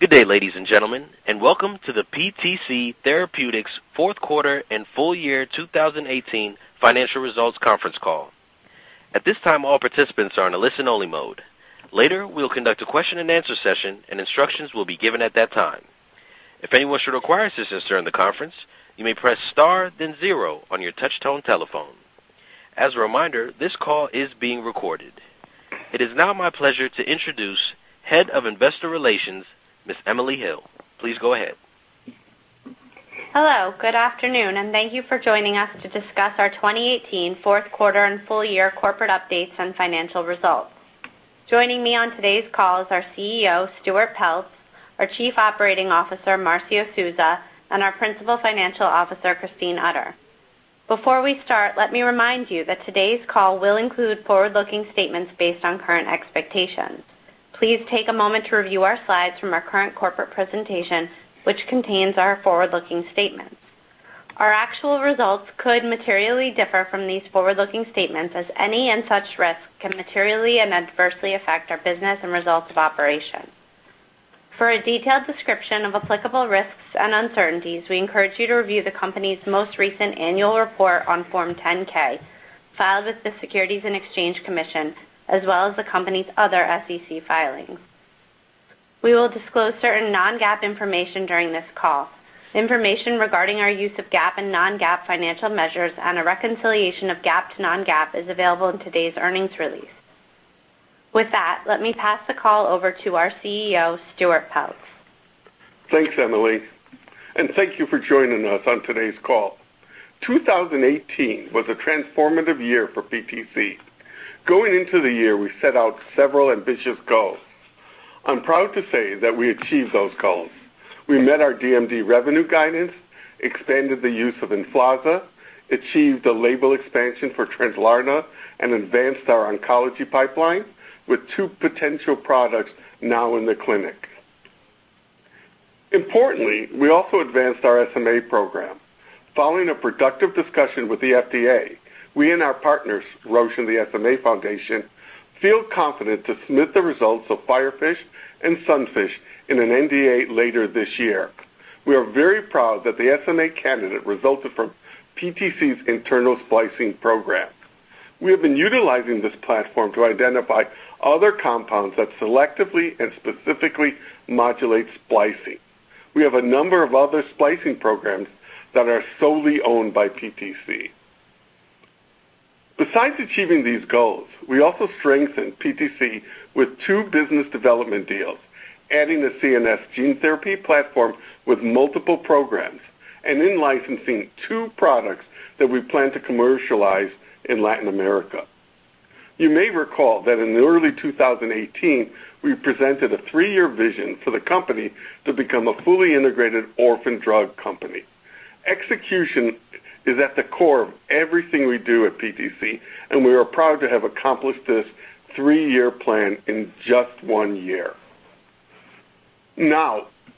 Good day, ladies and gentlemen, and welcome to the PTC Therapeutics fourth quarter and full year 2018 financial results conference call. At this time, all participants are in a listen-only mode. Later, we'll conduct a question and answer session and instructions will be given at that time. If anyone should require assistance during the conference, you may press star then zero on your touchtone telephone. As a reminder, this call is being recorded. It is now my pleasure to introduce Head of Investor Relations, Ms. Emily Hill. Please go ahead. Hello. Good afternoon, and thank you for joining us to discuss our 2018 fourth quarter and full year corporate updates and financial results. Joining me on today's call is our CEO, Stuart Peltz, our Chief Operating Officer, Marcio Souza, and our Principal Financial Officer, Christine Utter. Before we start, let me remind you that today's call will include forward-looking statements based on current expectations. Please take a moment to review our slides from our current corporate presentation, which contains our forward-looking statements. Our actual results could materially differ from these forward-looking statements, as any and such risks can materially and adversely affect our business and results of operation. For a detailed description of applicable risks and uncertainties, we encourage you to review the company's most recent annual report on Form 10-K, filed with the Securities and Exchange Commission, as well as the company's other SEC filings. We will disclose certain non-GAAP information during this call. Information regarding our use of GAAP and non-GAAP financial measures and a reconciliation of GAAP to non-GAAP is available in today's earnings release. With that, let me pass the call over to our CEO, Stuart Peltz. Thanks, Emily. Thank you for joining us on today's call. 2018 was a transformative year for PTC. Going into the year, we set out several ambitious goals. I'm proud to say that we achieved those goals. We met our DMD revenue guidance, expanded the use of EMFLAZA, achieved a label expansion for Translarna, and advanced our oncology pipeline with two potential products now in the clinic. Importantly, we also advanced our SMA program. Following a productive discussion with the FDA, we and our partners, Roche and the SMA Foundation, feel confident to submit the results of FIREFISH and SUNFISH in an NDA later this year. We are very proud that the SMA candidate resulted from PTC's internal splicing program. We have been utilizing this platform to identify other compounds that selectively and specifically modulate splicing. We have a number of other splicing programs that are solely owned by PTC. Besides achieving these goals, we also strengthened PTC with two business development deals, adding a CNS gene therapy platform with multiple programs and in-licensing two products that we plan to commercialize in Latin America. You may recall that in early 2018, we presented a three-year vision for the company to become a fully integrated orphan drug company. Execution is at the core of everything we do at PTC, and we are proud to have accomplished this three-year plan in just one year.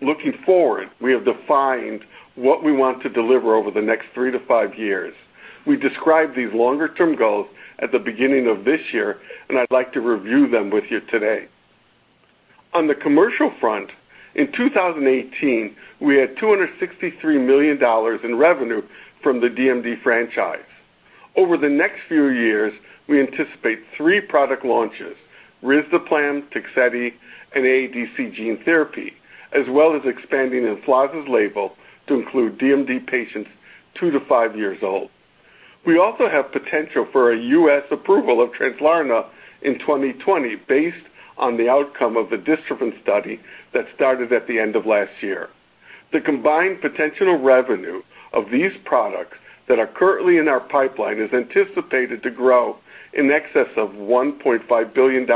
Looking forward, we have defined what we want to deliver over the next three to five years. We described these longer-term goals at the beginning of this year, and I'd like to review them with you today. On the commercial front, in 2018, we had $263 million in revenue from the DMD franchise. Over the next few years, we anticipate three product launches, risdiplam, Tegsedi, and AADC Gene therapy, as well as expanding EMFLAZA's label to include DMD patients two to five years old. We also have potential for a U.S. approval of Translarna in 2020 based on the outcome of the dystrophin study that started at the end of last year. The combined potential revenue of these products that are currently in our pipeline is anticipated to grow in excess of $1.5 billion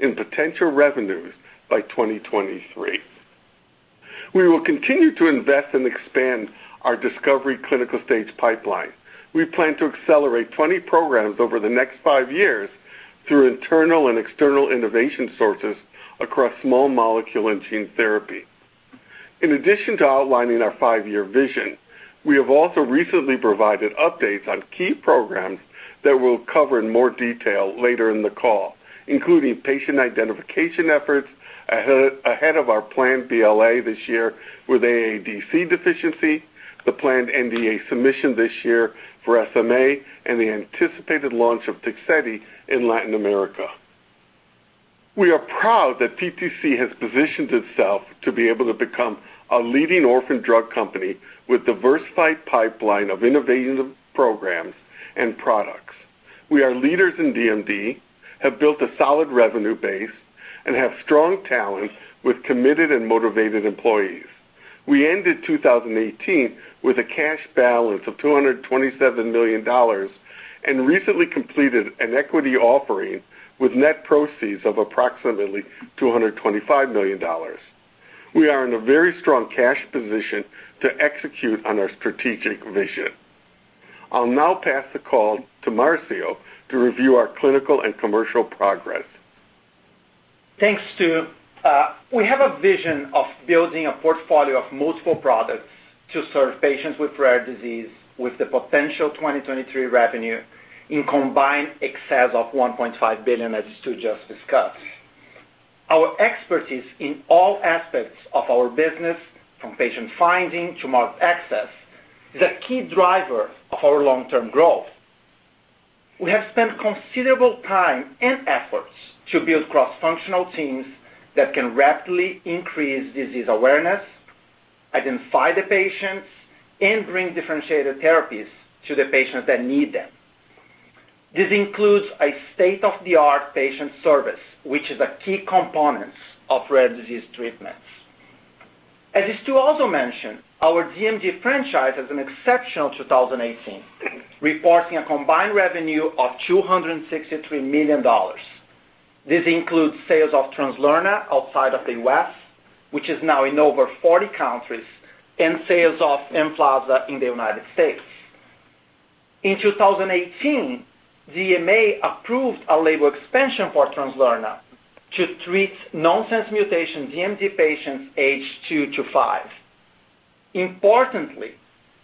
in potential revenues by 2023. We will continue to invest and expand our discovery clinical stage pipeline. We plan to accelerate 20 programs over the next five years through internal and external innovation sources across small molecule and gene therapy. In addition to outlining our five-year vision, we have also recently provided updates on key programs that we'll cover in more detail later in the call, including patient identification efforts ahead of our planned BLA this year with AADC deficiency, the planned NDA submission this year for SMA, and the anticipated launch of Tegsedi in Latin America. We are proud that PTC has positioned itself to be able to become a leading orphan drug company with diversified pipeline of innovative programs and products. We are leaders in DMD, have built a solid revenue base, and have strong talent with committed and motivated employees. We ended 2018 with a cash balance of $227 million and recently completed an equity offering with net proceeds of approximately $225 million. We are in a very strong cash position to execute on our strategic vision. I'll pass the call to Marcio to review our clinical and commercial progress. Thanks, Stu. We have a vision of building a portfolio of multiple products to serve patients with rare disease, with the potential 2023 revenue in combined excess of $1.5 billion as Stu just discussed. Our expertise in all aspects of our business, from patient finding to market access, is a key driver of our long-term growth. We have spent considerable time and efforts to build cross-functional teams that can rapidly increase disease awareness, identify the patients, and bring differentiated therapies to the patients that need them. This includes a state-of-the-art patient service, which is a key component of rare disease treatments. As Stu also mentioned, our DMD franchise has an exceptional 2018, reporting a combined revenue of $263 million. This includes sales of Translarna outside of the U.S., which is now in over 40 countries, and sales of EMFLAZA in the United States. In 2018, EMA approved a label expansion for Translarna to treat nonsense mutation DMD patients aged two to five. Importantly,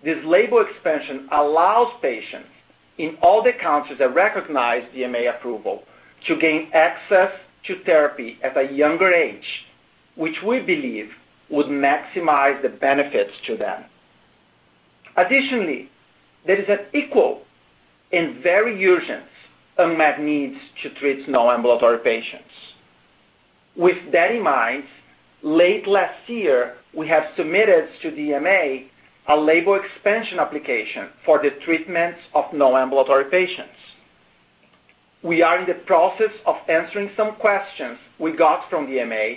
this label expansion allows patients in all the countries that recognize EMA approval to gain access to therapy at a younger age, which we believe would maximize the benefits to them. Additionally, there is an equal and very urgent unmet need to treat non-ambulatory patients. With that in mind, late last year, we have submitted to EMA a label expansion application for the treatments of non-ambulatory patients. We are in the process of answering some questions we got from EMA,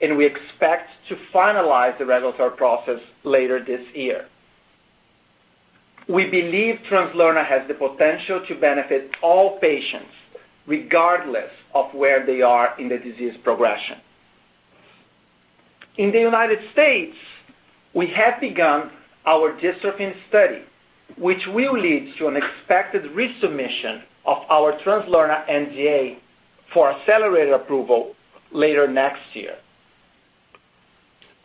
and we expect to finalize the regulatory process later this year. We believe Translarna has the potential to benefit all patients, regardless of where they are in the disease progression. In the United States, we have begun our Dystrophin study, which will lead to an expected resubmission of our Translarna NDA for accelerated approval later next year.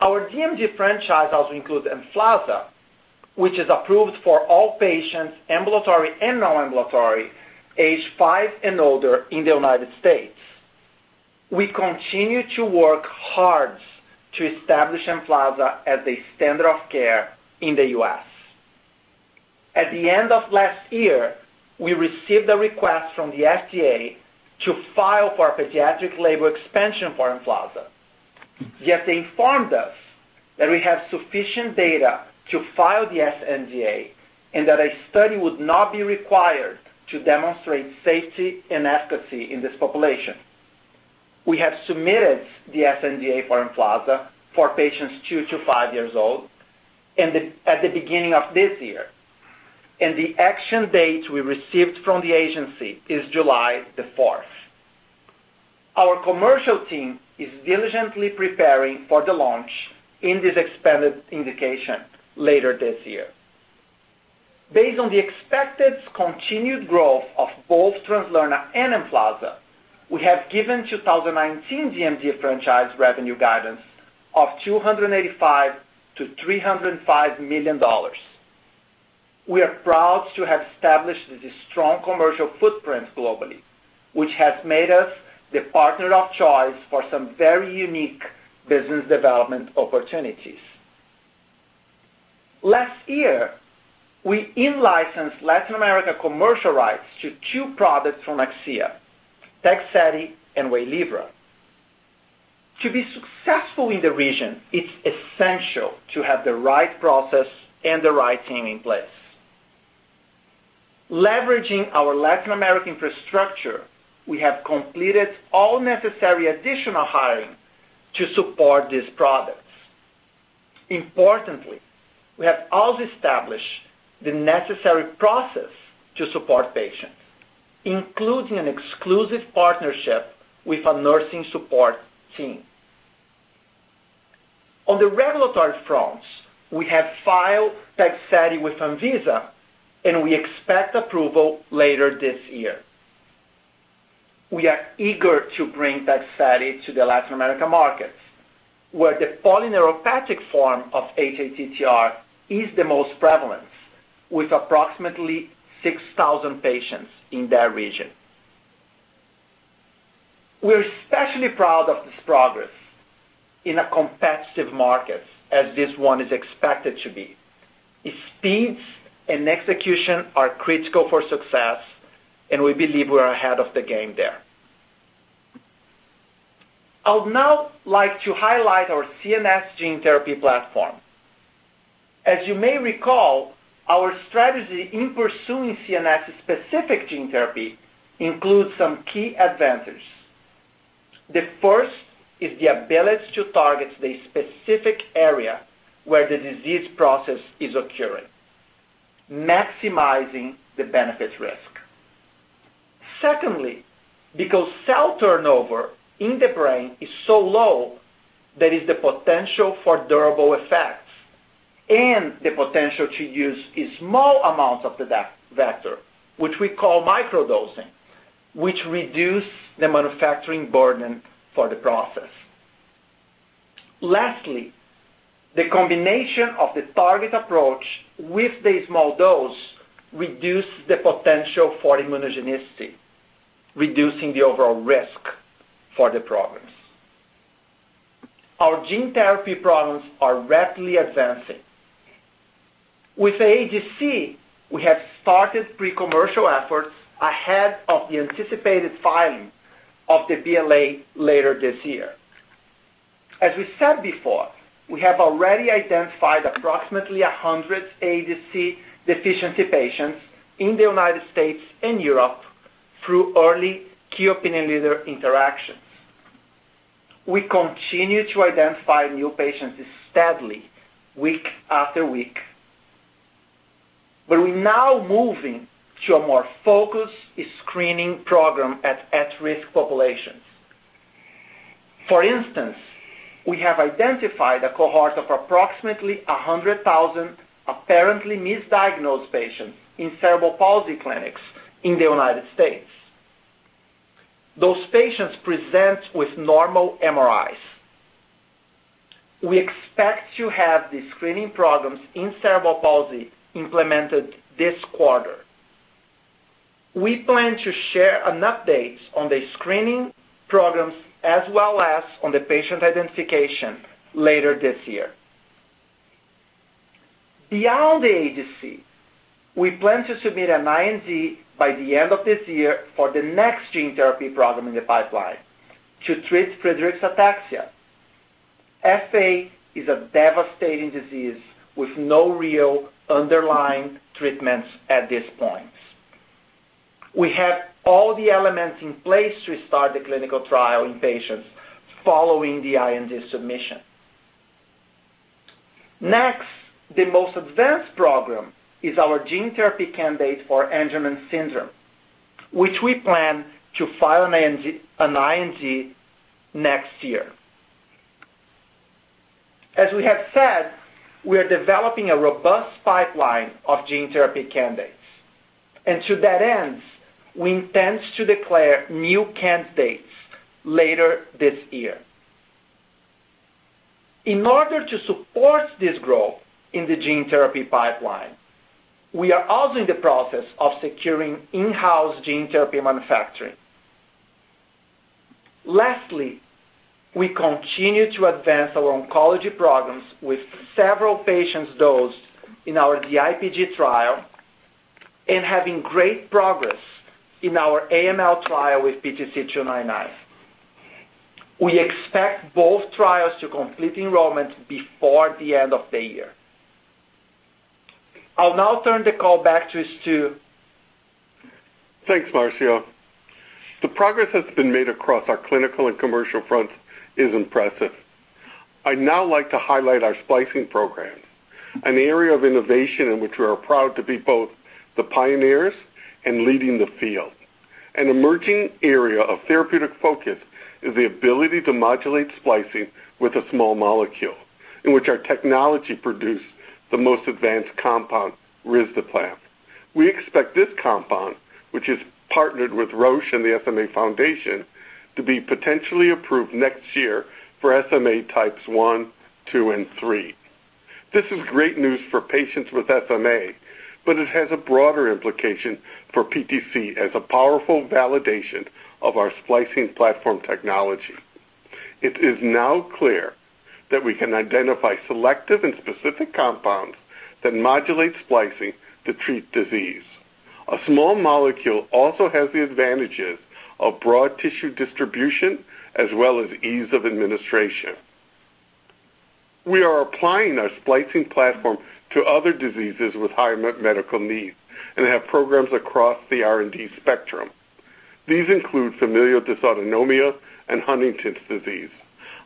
Our DMD franchise also includes EMFLAZA, which is approved for all patients, ambulatory and non-ambulatory, aged five and older in the United States. We continue to work hard to establish EMFLAZA as a standard of care in the U.S. At the end of last year, we received a request from the FDA to file for a pediatric label expansion for EMFLAZA, yet they informed us that we have sufficient data to file the sNDA and that a study would not be required to demonstrate safety and efficacy in this population. We have submitted the sNDA for EMFLAZA for patients two to five years old at the beginning of this year. The action date we received from the agency is July the 4th. Our commercial team is diligently preparing for the launch in this expanded indication later this year. Based on the expected continued growth of both Translarna and EMFLAZA, we have given 2019 DMD franchise revenue guidance of $285 million-$305 million. We are proud to have established this strong commercial footprint globally, which has made us the partner of choice for some very unique business development opportunities. Last year, we in-licensed Latin America commercial rights to two products from Akcea, Tegsedi and Waylivra. To be successful in the region, it's essential to have the right process and the right team in place. Leveraging our Latin American infrastructure, we have completed all necessary additional hiring to support these products. Importantly, we have also established the necessary process to support patients, including an exclusive partnership with a nursing support team. On the regulatory front, we have filed Tegsedi with ANVISA, and we expect approval later this year. We are eager to bring Tegsedi to the Latin America markets, where the polyneuropathic form of hATTR is the most prevalent, with approximately 6,000 patients in that region. We're especially proud of this progress in a competitive market as this one is expected to be. Its speeds and execution are critical for success, and we believe we're ahead of the game there. I would now like to highlight our CNS gene therapy platform. As you may recall, our strategy in pursuing CNS-specific gene therapy includes some key advantages. The first is the ability to target the specific area where the disease process is occurring, maximizing the benefit-risk. Secondly, because cell turnover in the brain is so low, there is the potential for durable effects. The potential to use a small amount of the vector, which we call microdosing, which reduces the manufacturing burden for the process. Lastly, the combination of the target approach with the small dose reduces the potential for immunogenicity, reducing the overall risk for the programs. Our gene therapy programs are rapidly advancing. With AADC, we have started pre-commercial efforts ahead of the anticipated filing of the BLA later this year. As we said before, we have already identified approximately 100 AADC deficiency patients in the United States and Europe through early key opinion leader interactions. We continue to identify new patients steadily week after week. We're now moving to a more focused screening program at at-risk populations. For instance, we have identified a cohort of approximately 100,000 apparently misdiagnosed patients in cerebral palsy clinics in the United States. Those patients present with normal MRIs. We expect to have the screening programs in cerebral palsy implemented this quarter. We plan to share an update on the screening programs as well as on the patient identification later this year. Beyond the AADC, we plan to submit an IND by the end of this year for the next gene therapy program in the pipeline to treat Friedreich's ataxia. FA is a devastating disease with no real underlying treatments at this point. We have all the elements in place to start the clinical trial in patients following the IND submission. Next, the most advanced program is our gene therapy candidate for Angelman syndrome, which we plan to file an IND next year. As we have said, we are developing a robust pipeline of gene therapy candidates, and to that end, we intend to declare new candidates later this year. In order to support this growth in the gene therapy pipeline, we are also in the process of securing in-house gene therapy manufacturing. Lastly, we continue to advance our oncology programs with several patients dosed in our DIPG trial and having great progress in our AML trial with PTC299. We expect both trials to complete enrollment before the end of the year. I'll now turn the call back to Stu. Thanks, Marcio. The progress that's been made across our clinical and commercial fronts is impressive. I'd now like to highlight our splicing programs, an area of innovation in which we are proud to be both the pioneers and leading the field. An emerging area of therapeutic focus is the ability to modulate splicing with a small molecule, in which our technology produced the most advanced compound, risdiplam. We expect this compound, which is partnered with Roche and the SMA Foundation, to be potentially approved next year for SMA types 1, 2, and 3. This is great news for patients with SMA, but it has a broader implication for PTC as a powerful validation of our splicing platform technology. It is now clear that we can identify selective and specific compounds that modulate splicing to treat disease. A small molecule also has the advantages of broad tissue distribution as well as ease of administration. We are applying our splicing platform to other diseases with high medical needs and have programs across the R&D spectrum. These include familial dysautonomia and Huntington's disease.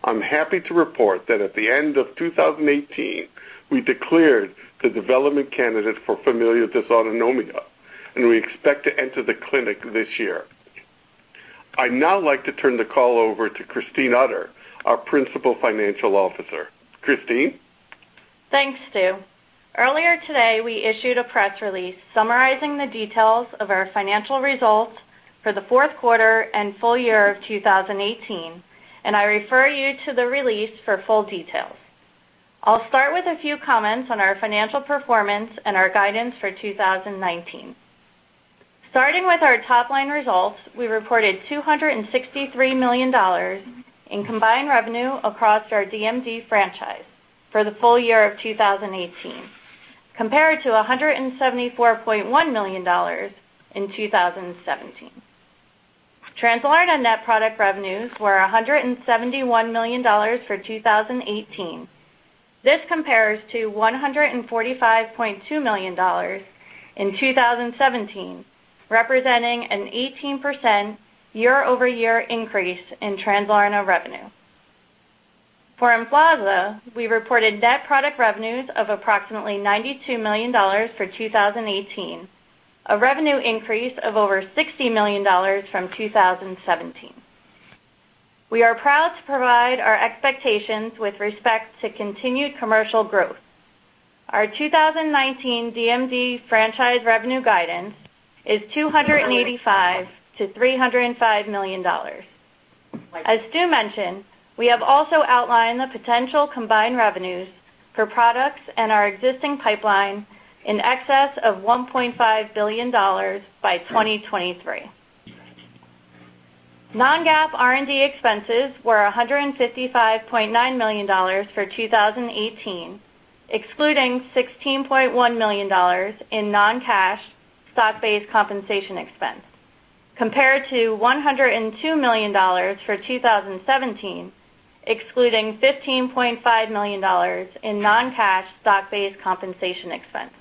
I'm happy to report that at the end of 2018, we declared the development candidate for familial dysautonomia, and we expect to enter the clinic this year. I'd now like to turn the call over to Christine Utter, our Principal Financial Officer. Christine? Thanks, Stu. Earlier today, we issued a press release summarizing the details of our financial results for the fourth quarter and full year of 2018, and I refer you to the release for full details. I'll start with a few comments on our financial performance and our guidance for 2019. Starting with our top-line results, we reported $263 million in combined revenue across our DMD franchise for the full year of 2018, compared to $174.1 million in 2017. Translarna net product revenues were $171 million for 2018. This compares to $145.2 million in 2017, representing an 18% year-over-year increase in Translarna revenue. For EMFLAZA, we reported net product revenues of approximately $92 million for 2018, a revenue increase of over $60 million from 2017. We are proud to provide our expectations with respect to continued commercial growth. Our 2019 DMD franchise revenue guidance is $285 million-$305 million. As Stu mentioned, we have also outlined the potential combined revenues for products and our existing pipeline in excess of $1.5 billion by 2023. Non-GAAP R&D expenses were $155.9 million for 2018, excluding $16.1 million in non-cash stock-based compensation expense, compared to $102 million for 2017, excluding $15.5 million in non-cash stock-based compensation expense.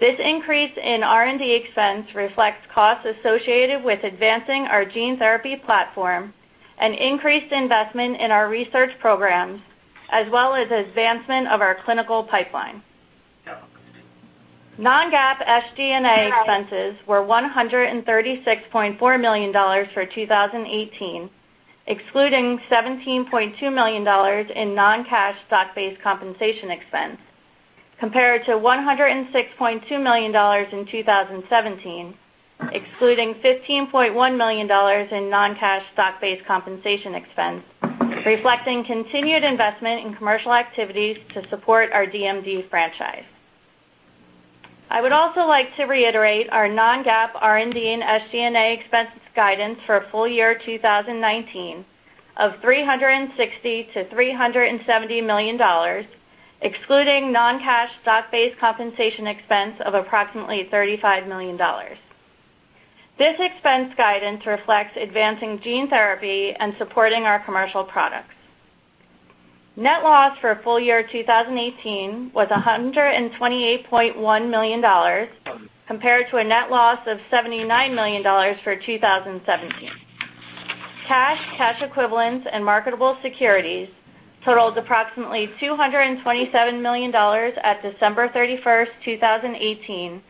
This increase in R&D expense reflects costs associated with advancing our gene therapy platform and increased investment in our research programs, as well as advancement of our clinical pipeline. Non-GAAP SG&A expenses were $136.4 million for 2018, excluding $17.2 million in non-cash stock-based compensation expense, compared to $106.2 million in 2017, excluding $15.1 million in non-cash stock-based compensation expense, reflecting continued investment in commercial activities to support our DMD franchise. I would also like to reiterate our non-GAAP R&D and SG&A expense guidance for full year 2019 of $360 million-$370 million, excluding non-cash stock-based compensation expense of approximately $35 million. This expense guidance reflects advancing gene therapy and supporting our commercial products. Net loss for full year 2018 was $128.1 million compared to a net loss of $79 million for 2017. Cash, cash equivalents, and marketable securities totaled approximately $227 million at December 31, 2018,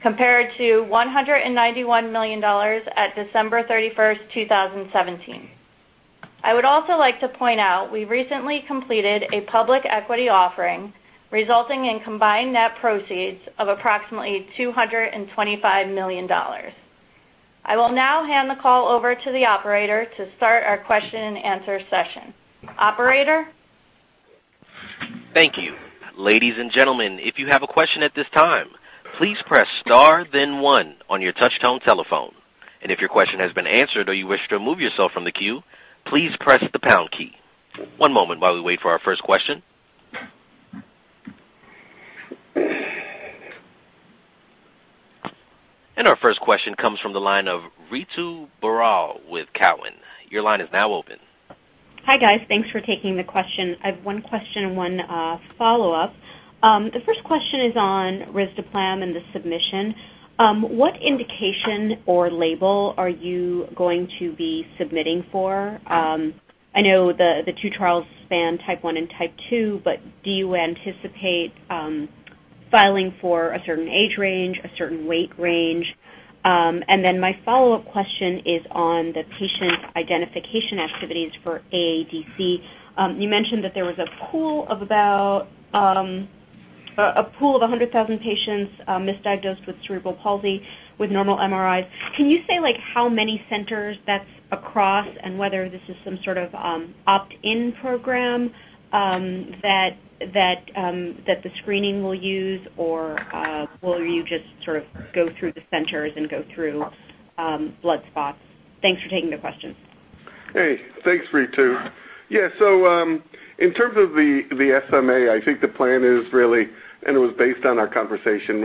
compared to $191 million at December 31, 2017. I would also like to point out we recently completed a public equity offering resulting in combined net proceeds of approximately $225 million. I will now hand the call over to the operator to start our question and answer session. Operator? Thank you. Ladies and gentlemen, if you have a question at this time, please press star then one on your touchtone telephone. If your question has been answered or you wish to remove yourself from the queue, please press the pound key. One moment while we wait for our first question. Our first question comes from the line of Ritu Baral with Cowen. Your line is now open. Hi, guys. Thanks for taking the question. I have one question and one follow-up. The first question is on risdiplam and the submission. What indication or label are you going to be submitting for? I know the two trials span Type 1 and Type 2, but do you anticipate filing for a certain age range, a certain weight range? My follow-up question is on the patient identification activities for AADC. You mentioned that there was a pool of about 100,000 patients misdiagnosed with cerebral palsy with normal MRIs. Can you say how many centers that's across and whether this is some sort of opt-in program that the screening will use, or will you just sort of go through the centers and go through blood spots? Thanks for taking the questions. Hey, thanks, Ritu. Yeah. In terms of the SMA, I think the plan is really, and it was based on our conversation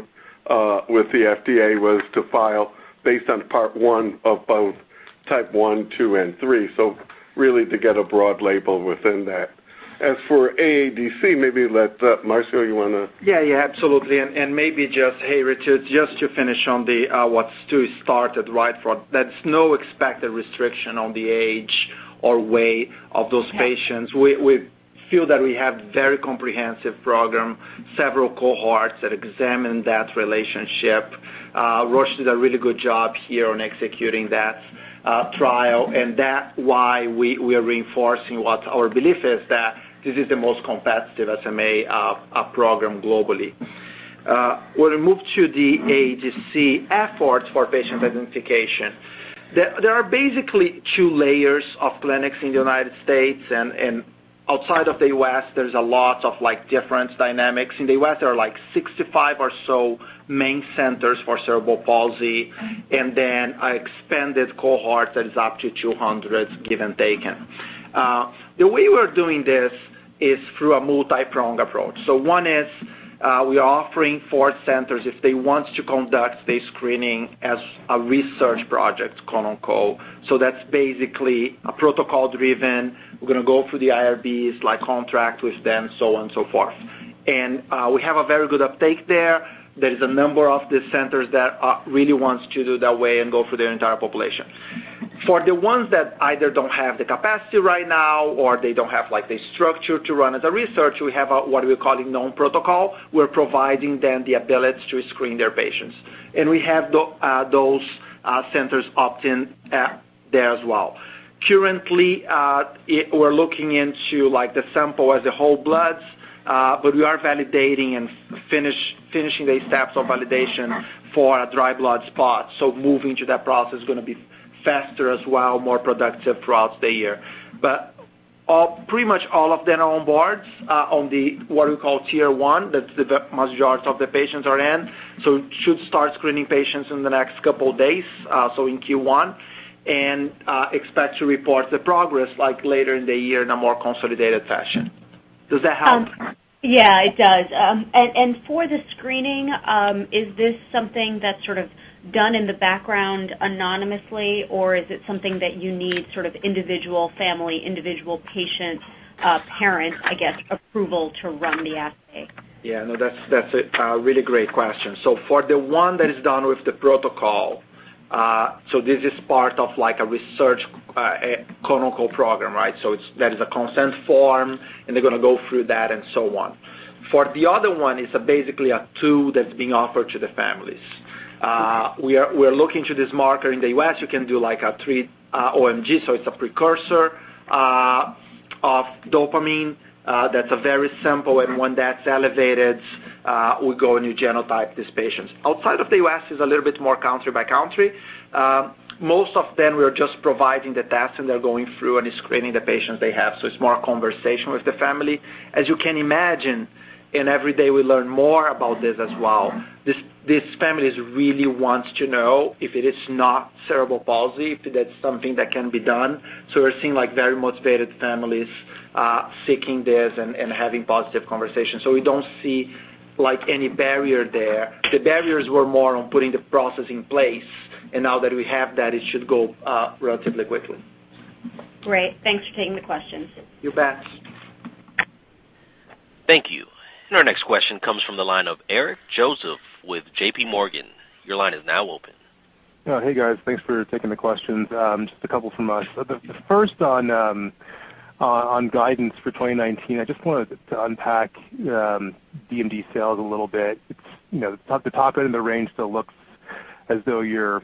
with the FDA, was to file based on part one of both Type 1, 2, and 3, really to get a broad label within that. As for AADC, maybe let, Marcio, you want to- Yeah, absolutely. Maybe just, hey, Ritu, just to finish on what Stu started. There's no expected restriction on the age or weight of those patients. Yeah. We feel that we have very comprehensive program, several cohorts that examine that relationship. Roche does a really good job here on executing that trial, that why we are reinforcing what our belief is that this is the most competitive SMA program globally. When we move to the AADC efforts for patient identification, there are basically two layers of clinics in the U.S. and outside of the U.S., there's a lot of different dynamics. In the U.S., there are 65 or so main centers for cerebral palsy, then an expanded cohort that is up to 200, give and taken. The way we're doing this is through a multi-prong approach. One is we are offering four centers if they want to conduct the screening as a research project, quote, unquote. That's basically a protocol-driven, we're going to go through the IRBs, contract with them, so on and so forth. We have a very good uptake there. There is a number of the centers that really wants to do it that way and go through their entire population. For the ones that either don't have the capacity right now or they don't have the structure to run as a research, we have what we're calling non-protocol. We're providing them the ability to screen their patients. We have those centers opt in there as well. Currently, we're looking into the sample as the whole bloods, but we are validating and finishing the steps of validation for a dry blood spot. Moving to that process is going to be faster as well, more productive throughout the year. Pretty much all of them are on board on the, what we call tier 1. That's the majority of the patients are in. Should start screening patients in the next couple of days, in Q1. Expect to report the progress later in the year in a more consolidated fashion. Does that help? Yeah, it does. For the screening, is this something that's sort of done in the background anonymously, or is it something that you need individual family, individual patient, parent, I guess, approval to run the assay? Yeah, no, that's a really great question. For the one that is done with the protocol, this is part of a research clinical program. There is a consent form, and they're going to go through that. For the other one, it's basically a tool that's being offered to the families. We're looking to this marker. In the U.S., you can do, like, a 3-OMD, it's a precursor of dopamine that's very simple. When that's elevated, we go and you genotype these patients. Outside of the U.S., it's a little bit more country by country. Most of them, we are just providing the tests. They're going through and screening the patients they have. It's more conversation with the family. As you can imagine, every day we learn more about this as well, these families really want to know if it is not cerebral palsy, if that's something that can be done. We're seeing very motivated families seeking this and having positive conversations. We don't see any barrier there. The barriers were more on putting the process in place. Now that we have that, it should go relatively quickly. Great. Thanks for taking the questions. You bet. Thank you. Our next question comes from the line of Eric Joseph with JPMorgan. Your line is now open. Hey, guys. Thanks for taking the questions. Just a couple from us. The first on guidance for 2019. I just wanted to unpack DMD sales a little bit. The top end of the range still looks as though you're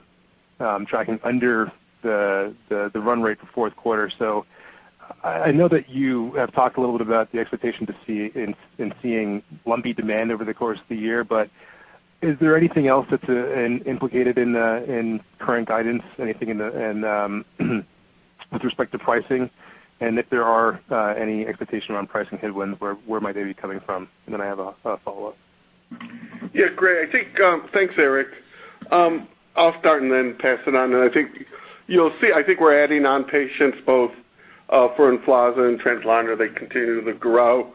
tracking under the run rate for fourth quarter. I know that you have talked a little bit about the expectation in seeing lumpy demand over the course of the year, is there anything else that's implicated in current guidance? Anything with respect to pricing? If there are any expectation around pricing headwinds, where might they be coming from? I have a follow-up. Yeah, great. Thanks, Eric. I'll start and then pass it on. I think you'll see, I think we're adding on patients both for EMFLAZA and Translarna. They continue to grow.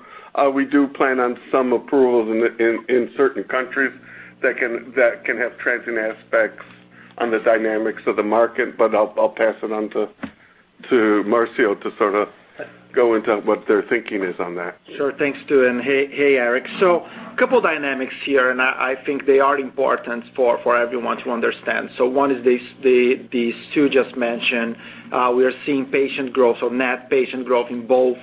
We do plan on some approvals in certain countries that can have trends and aspects on the dynamics of the market. I'll pass it on to Marcio to sort of go into what their thinking is on that. Sure. Thanks, Stu, and hey, Eric. A couple dynamics here, and I think they are important for everyone to understand. One is the Stu just mentioned. We are seeing patient growth or net patient growth in both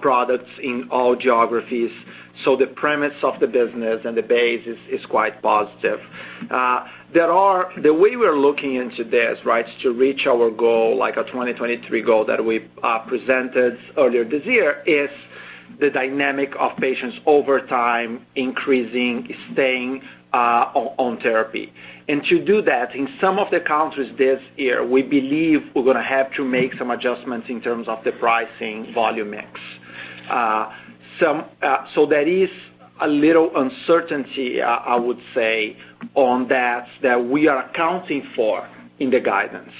products in all geographies. The premise of the business and the base is quite positive. The way we're looking into this to reach our goal, like our 2023 goal that we presented earlier this year, is the dynamic of patients over time increasing, staying on therapy. To do that, in some of the countries this year, we believe we're going to have to make some adjustments in terms of the pricing volume mix. There is a little uncertainty, I would say, on that we are accounting for in the guidance.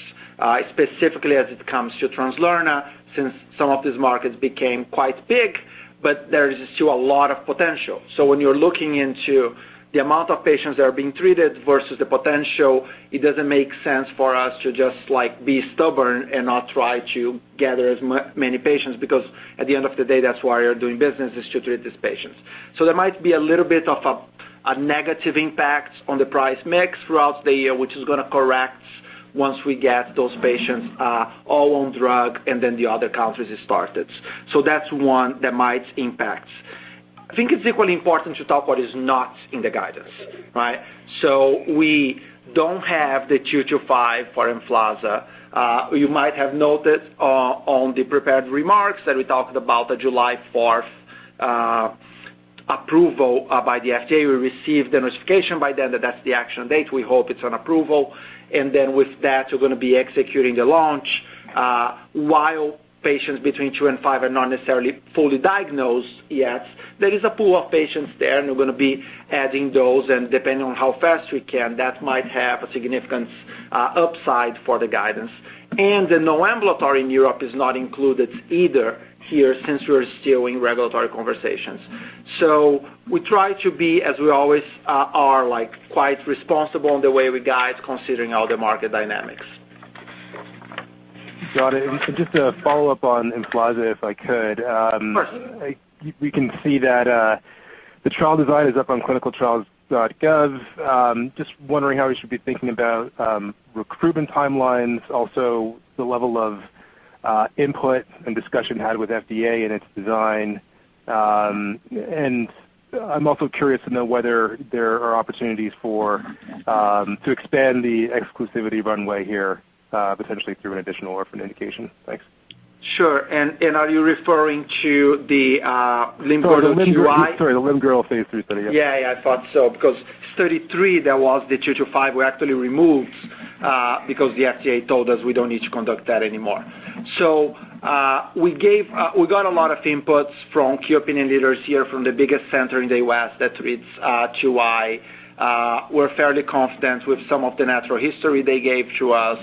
Specifically as it comes to Translarna, since some of these markets became quite big, but there is still a lot of potential. When you're looking into the amount of patients that are being treated versus the potential, it doesn't make sense for us to just be stubborn and not try to gather as many patients, because at the end of the day, that's why you're doing business is to treat these patients. There might be a little bit of a negative impact on the price mix throughout the year, which is going to correct once we get those patients all on drug and then the other countries it started. That's one that might impact. I think it's equally important to talk what is not in the guidance. We don't have the two to five for EMFLAZA. You might have noted on the prepared remarks that we talked about the July 4th approval by the FDA. We received the notification by them that that's the action date. We hope it's on approval. With that, we're going to be executing the launch. While patients between two and five are not necessarily fully diagnosed yet, there is a pool of patients there, and we're going to be adding those, and depending on how fast we can, that might have a significant upside for the guidance. The no ambulatory in Europe is not included either here since we're still in regulatory conversations. We try to be, as we always are, quite responsible in the way we guide considering all the market dynamics. Got it. Just a follow-up on EMFLAZA, if I could. Of course. We can see that the trial design is up on clinicaltrials.gov. Just wondering how we should be thinking about recruitment timelines, also the level of input and discussion had with FDA and its design. I'm also curious to know whether there are opportunities to expand the exclusivity runway here, potentially through an additional orphan indication. Thanks. Sure. Are you referring to the limb-girdle 2I? Sorry, the limb-girdle phase III study, yes. I thought so, because Study 3, that was the 225, we actually removed because the FDA told us we don't need to conduct that anymore. We got a lot of inputs from key opinion leaders here from the biggest center in the U.S. that treats 2I. We're fairly confident with some of the natural history they gave to us.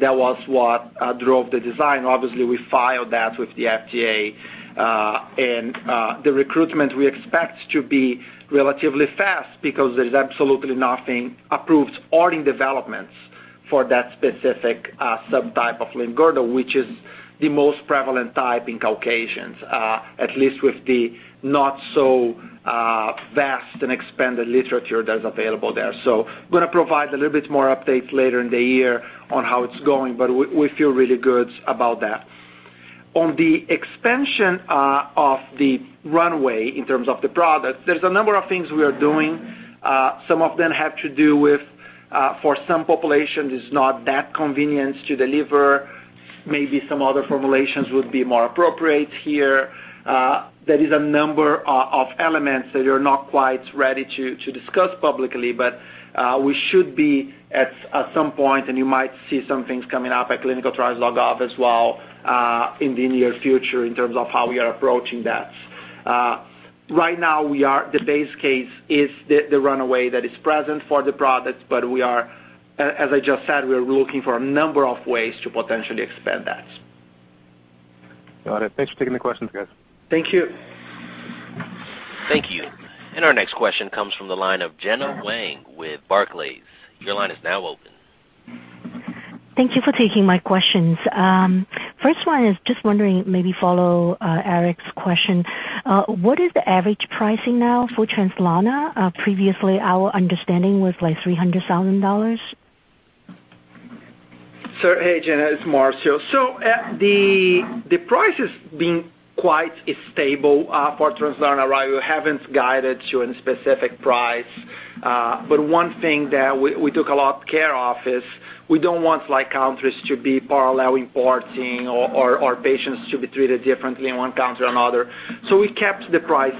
That was what drove the design. Obviously, we filed that with the FDA. The recruitment, we expect to be relatively fast because there's absolutely nothing approved or in developments for that specific subtype of limb-girdle, which is the most prevalent type in Caucasians, at least with the not so vast and expanded literature that's available there. I'm going to provide a little bit more updates later in the year on how it's going, but we feel really good about that. On the expansion of the runway in terms of the product, there's a number of things we are doing. Some of them have to do with for some populations, it's not that convenient to deliver. Maybe some other formulations would be more appropriate here. There is a number of elements that we are not quite ready to discuss publicly, but we should be at some point, and you might see some things coming up at clinicaltrials.gov as well in the near future in terms of how we are approaching that. Right now, the base case is the runway that is present for the product, but as I just said, we're looking for a number of ways to potentially expand that. Got it. Thanks for taking the questions, guys. Thank you. Thank you. Our next question comes from the line of Gena Wang with Barclays. Your line is now open. Thank you for taking my questions. First one is just wondering, maybe follow Eric's question. What is the average pricing now for Translarna? Previously, our understanding was like $300,000. Hey, Gena, it's Marcio. The price has been quite stable for Translarna. We haven't guided to any specific price. One thing that we took a lot of care of is we don't want countries to be parallel importing or patients to be treated differently in one country or another. We kept the price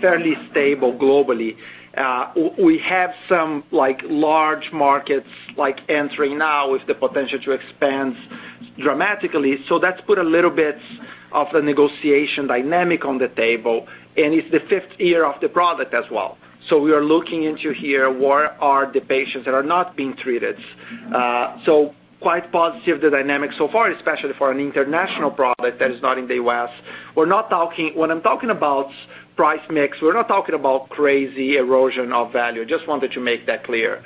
fairly stable globally. We have some large markets entering now with the potential to expand dramatically. That's put a little bit of the negotiation dynamic on the table, and it's the fifth year of the product as well. We are looking into here, where are the patients that are not being treated? Quite positive, the dynamics so far, especially for an international product that is not in the U.S. When I'm talking about price mix, we're not talking about crazy erosion of value. Just wanted to make that clear.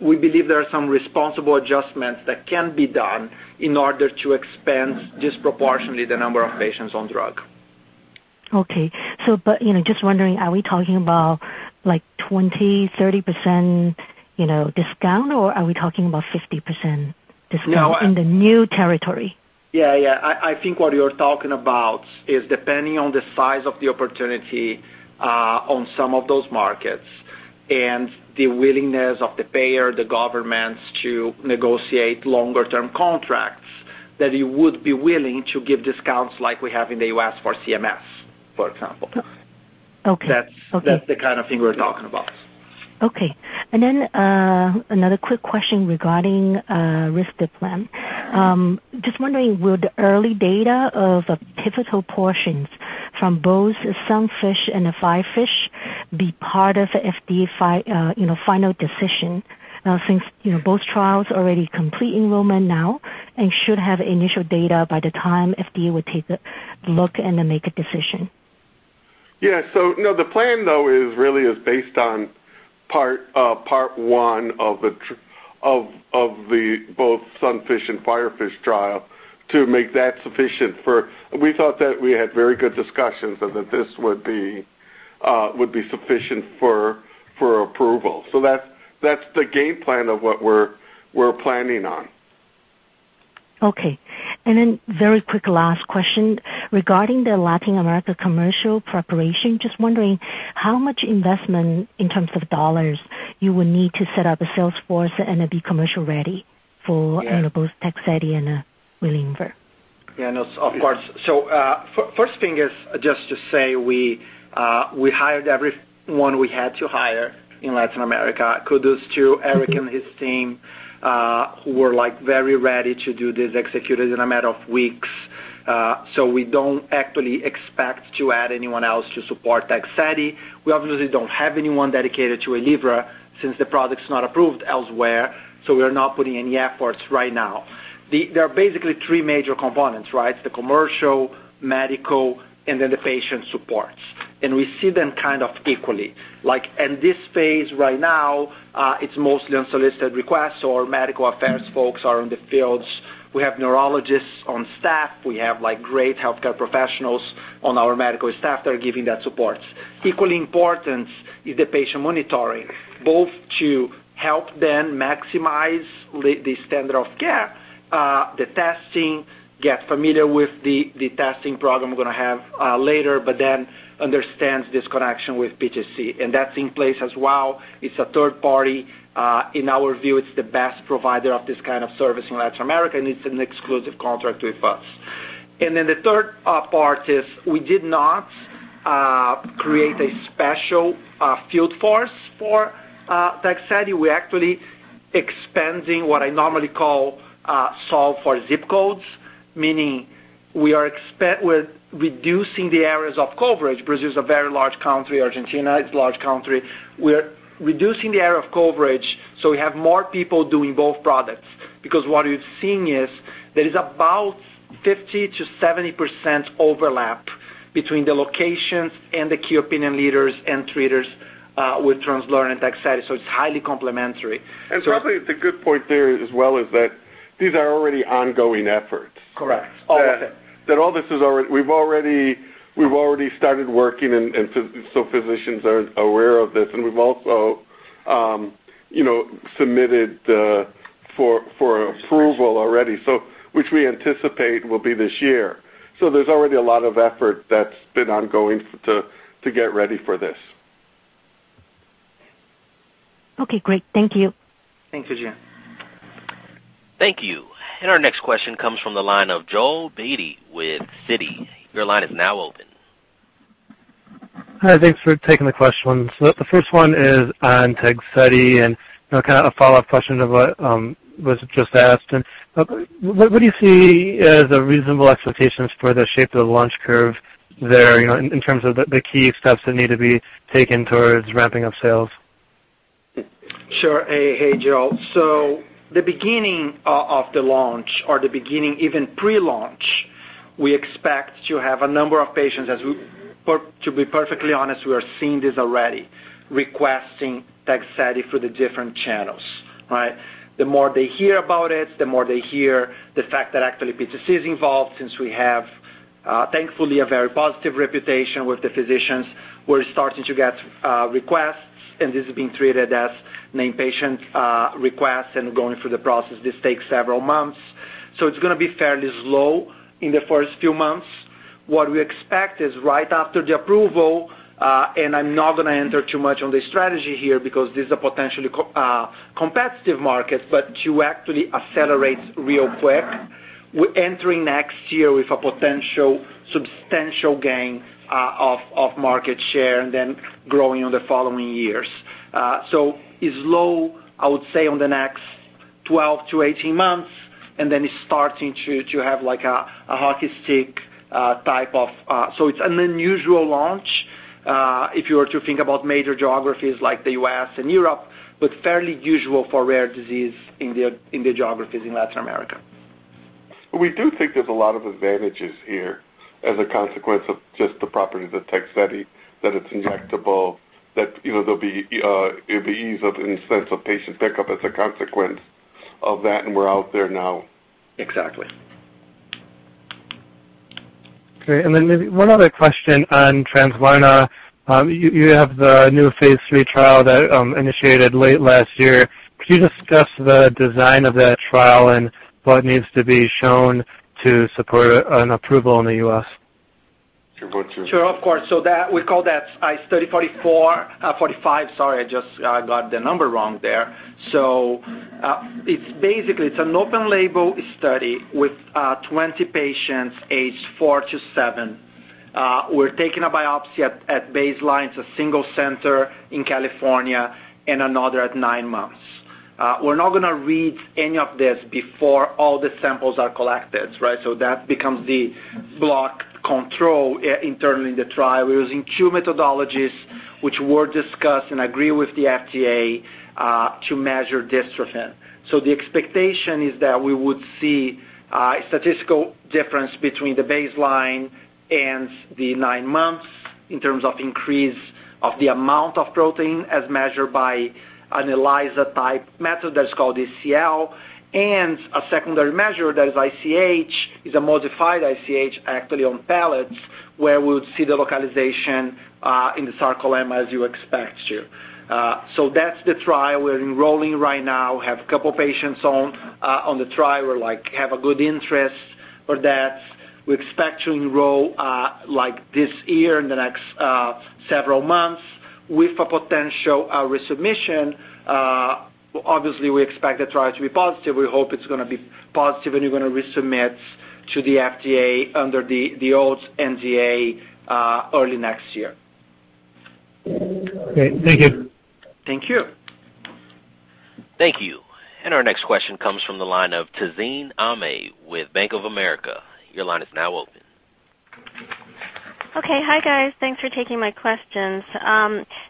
We believe there are some responsible adjustments that can be done in order to expand disproportionately the number of patients on drug. Just wondering, are we talking about 20%-30% discount, or are we talking about 50% discount in the new territory? I think what you're talking about is depending on the size of the opportunity on some of those markets and the willingness of the payer, the governments to negotiate longer-term contracts, that you would be willing to give discounts like we have in the U.S. for CMS, for example. Okay. That's the kind of thing we're talking about. Another quick question regarding risdiplam. Just wondering, will the early data of pivotal portions from both SUNFISH and the FIREFISH be part of FDA final decision? Since both trials already complete enrollment now and should have initial data by the time FDA would take a look and make a decision. Yeah. The plan, though, really is based on part one of both SUNFISH and FIREFISH trial to make that sufficient. We thought that we had very good discussions and that this would be sufficient for approval. That's the game plan of what we're planning on. Okay. Very quick last question. Regarding the Latin America commercial preparation, just wondering how much investment in terms of dollars you would need to set up a sales force and be commercial ready for both Tegsedi and Waylivra? Yeah, of course. First thing is just to say we hired everyone we had to hire in Latin America. Kudos to Eric and his team who were very ready to do this, executed in a matter of weeks. We don't actually expect to add anyone else to support Tegsedi. We obviously don't have anyone dedicated to Waylivra since the product's not approved elsewhere, so we are not putting any efforts right now. There are basically three major components. The commercial, medical, and then the patient support. We see them kind of equally. In this phase right now it's mostly unsolicited requests, so our medical affairs folks are in the fields. We have neurologists on staff. We have great healthcare professionals on our medical staff that are giving that support. Equally important is the patient monitoring, both to help them maximize the standard of care, the testing, get familiar with the testing program we're going to have later, but then understands this connection with PTC. That's in place as well. It's a third party. In our view, it's the best provider of this kind of service in Latin America, and it's an exclusive contract with us. The third part is we did not create a special field force for Tegsedi. We're actually expanding what I normally call solve for zip codes, meaning we're reducing the areas of coverage. Brazil is a very large country. Argentina is a large country. We're reducing the area of coverage so we have more people doing both products. What we're seeing is there is about 50%-70% overlap between the locations and the key opinion leaders and treaters with Translarna and Tegsedi. It's highly complementary. Probably the good point there as well is that these are already ongoing efforts. Correct. All of it. We've already started working, physicians are aware of this. We've also submitted for approval already which we anticipate will be this year. There's already a lot of effort that's been ongoing to get ready for this. Okay, great. Thank you. Thanks, Gena. Thank you. Our next question comes from the line of Joel Beatty with Citi. Your line is now open. Hi. Thanks for taking the questions. The first one is on Tegsedi and, kind of a follow-up question of what was just asked. What do you see as a reasonable expectations for the shape of the launch curve there in terms of the key steps that need to be taken towards ramping up sales? Sure. Hey, Joel. The beginning of the launch or the beginning even pre-launch, we expect to have a number of patients. To be perfectly honest, we are seeing this already, requesting Tegsedi through the different channels, right? The more they hear about it, the more they hear the fact that actually PTC is involved, since we have, thankfully, a very positive reputation with the physicians. We're starting to get requests, and this is being treated as name patient requests and going through the process. This takes several months, so it's going to be fairly slow in the first few months. What we expect is right after the approval, and I'm not going to enter too much on the strategy here because this is a potentially competitive market, but to actually accelerate real quick. We're entering next year with a potential substantial gain of market share and then growing in the following years. It's low, I would say, on the next 12-18 months, and then it's starting to have like a hockey stick type. It's an unusual launch if you were to think about major geographies like the U.S. and Europe, but fairly usual for rare disease in the geographies in Latin America. We do think there's a lot of advantages here as a consequence of just the property of the Tegsedi, that it's injectable, that there'll be ease of, in the sense of patient pickup as a consequence of that, and we're out there now. Exactly. Okay, maybe one other question on Translarna. You have the new phase III trial that initiated late last year. Could you discuss the design of that trial and what needs to be shown to support an approval in the U.S.? You want to- Sure. Of course. We call that study 45. Sorry, I just got the number wrong there. Basically, it's an open label study with 20 patients aged four to seven. We're taking a biopsy at baseline. It's a single center in California and another at nine months. We're not going to read any of this before all the samples are collected. That becomes the block control internally in the trial. We're using two methodologies which were discussed and agreed with the FDA, to measure dystrophin. The expectation is that we would see a statistical difference between the baseline and the nine months in terms of increase of the amount of protein as measured by an ELISA type method that's called ECL. A secondary measure, that is IHC, is a modified IHC actually on pellets, where we would see the localization in the sarcolemma as you expect to. That's the trial. We're enrolling right now, have a couple patients on the trial. We have a good interest for that. We expect to enroll this year, in the next several months, with a potential resubmission. Obviously, we expect the trial to be positive. We hope it's going to be positive, and we're going to resubmit to the FDA under the old NDA early next year. Okay. Thank you. Thank you. Thank you. Our next question comes from the line of Tazeen Ahmad with Bank of America. Your line is now open. Okay. Hi, guys. Thanks for taking my questions.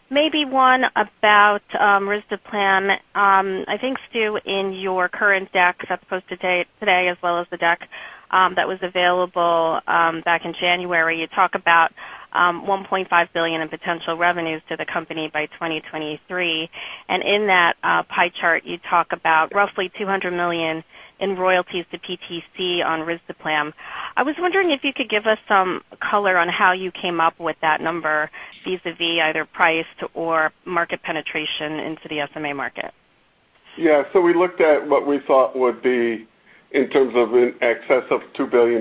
Maybe one about risdiplam. I think, Stu, in your current deck that is supposed today as well as the deck that was available back in January, you talk about $1.5 billion in potential revenues to the company by 2023. In that pie chart, you talk about roughly $200 million in royalties to PTC on risdiplam. I was wondering if you could give us some color on how you came up with that number vis-a-vis either price or market penetration into the SMA market. Yeah. We looked at what we thought would be in terms of in excess of $2 billion,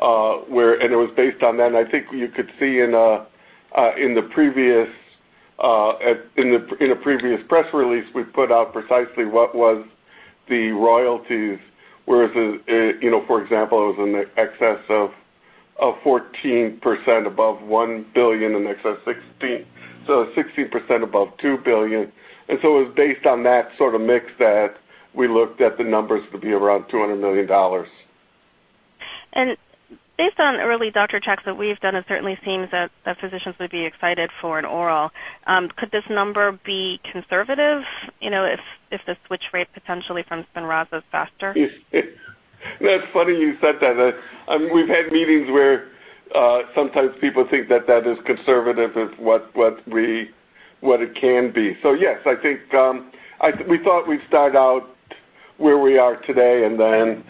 and it was based on that. I think you could see in a previous press release, we put out precisely what was the royalties, whereas, for example, it was in the excess of 14% above $1 billion 16% above $2 billion. It was based on that sort of mix that we looked at the numbers to be around $200 million. Based on early doctor checks that we've done, it certainly seems that physicians would be excited for an oral. Could this number be conservative, if the switch rate potentially from SPINRAZA is faster? That's funny you said that. We've had meetings where sometimes people think that is conservative of what it can be. Yes, I think, we thought we'd start out where we are today and then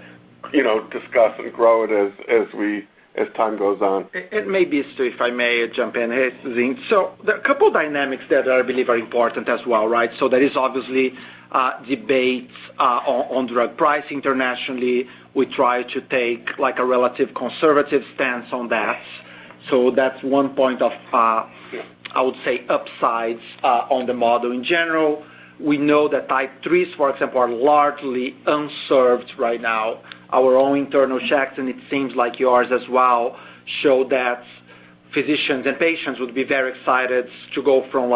discuss and grow it as time goes on. Maybe, if I may jump in. Hey, Zeen. There are a couple of dynamics that I believe are important as well, right? There is obviously debates on drug pricing internationally. We try to take a relative conservative stance on that. That's one point of- Yeah. ...I would say upsides on the model. In general, we know that type 3s, for example, are largely unserved right now. Our own internal checks, and it seems like yours as well, show that physicians and patients would be very excited to go from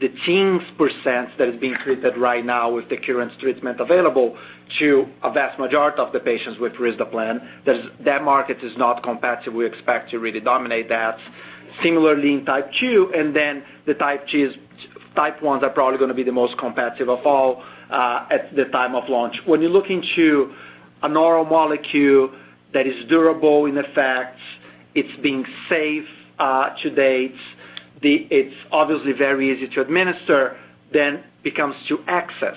the teens percent that is being treated right now with the current treatment available to a vast majority of the patients with risdiplam. That market is not competitive. We expect to really dominate that. Similarly in type 2, and then the type 1s are probably going to be the most competitive of all at the time of launch. You look into an oral molecule that is durable in effect, it's been safe to date. It's obviously very easy to administer, then it comes to access.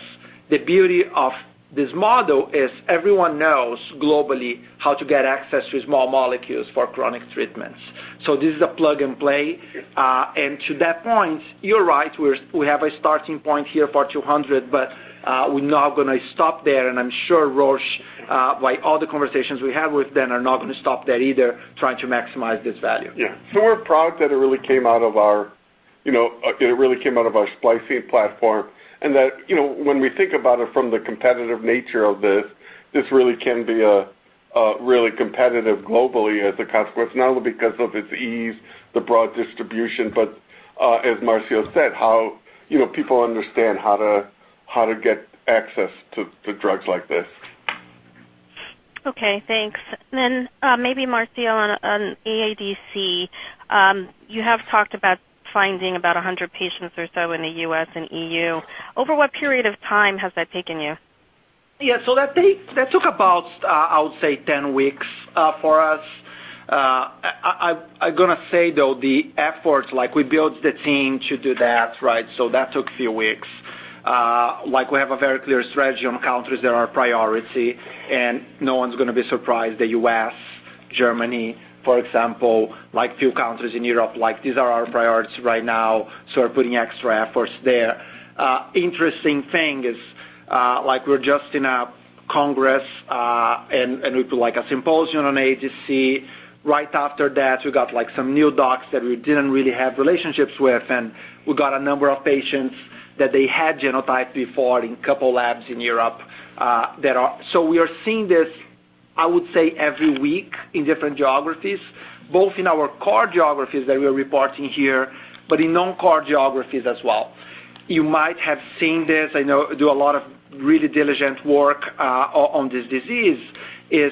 The beauty of this model is everyone knows globally how to get access to small molecules for chronic treatments. This is a plug-and-play. Yeah. To that point, you're right, we have a starting point here for 200, but we're not going to stop there, and I'm sure Roche by all the conversations we have with them, are not going to stop there either, trying to maximize this value. We're proud that it really came out of our splicing platform and that when we think about it from the competitive nature of this really can be really competitive globally as a consequence, not only because of its ease, the broad distribution, but, as Marcio said, how people understand how to get access to drugs like this. Maybe Marcio on AADC. You have talked about finding about 100 patients or so in the U.S. and EU. Over what period of time has that taken you? I would say, 10 weeks for us. I'm going to say, though, the efforts, like we built the team to do that, right? That took a few weeks. We have a very clear strategy on countries that are a priority, and no one's going to be surprised. The U.S., Germany, for example, a few countries in Europe, these are our priorities right now, so we're putting extra efforts there. Interesting thing is we're just in a congress, and we put a symposium on AADC. Right after that, we got some new docs that we didn't really have relationships with, and we got a number of patients that they had genotyped before in a couple labs in Europe. We are seeing this, I would say, every week in different geographies, both in our core geographies that we are reporting here, but in non-core geographies as well. You might have seen this. I know I do a lot of really diligent work on this disease, is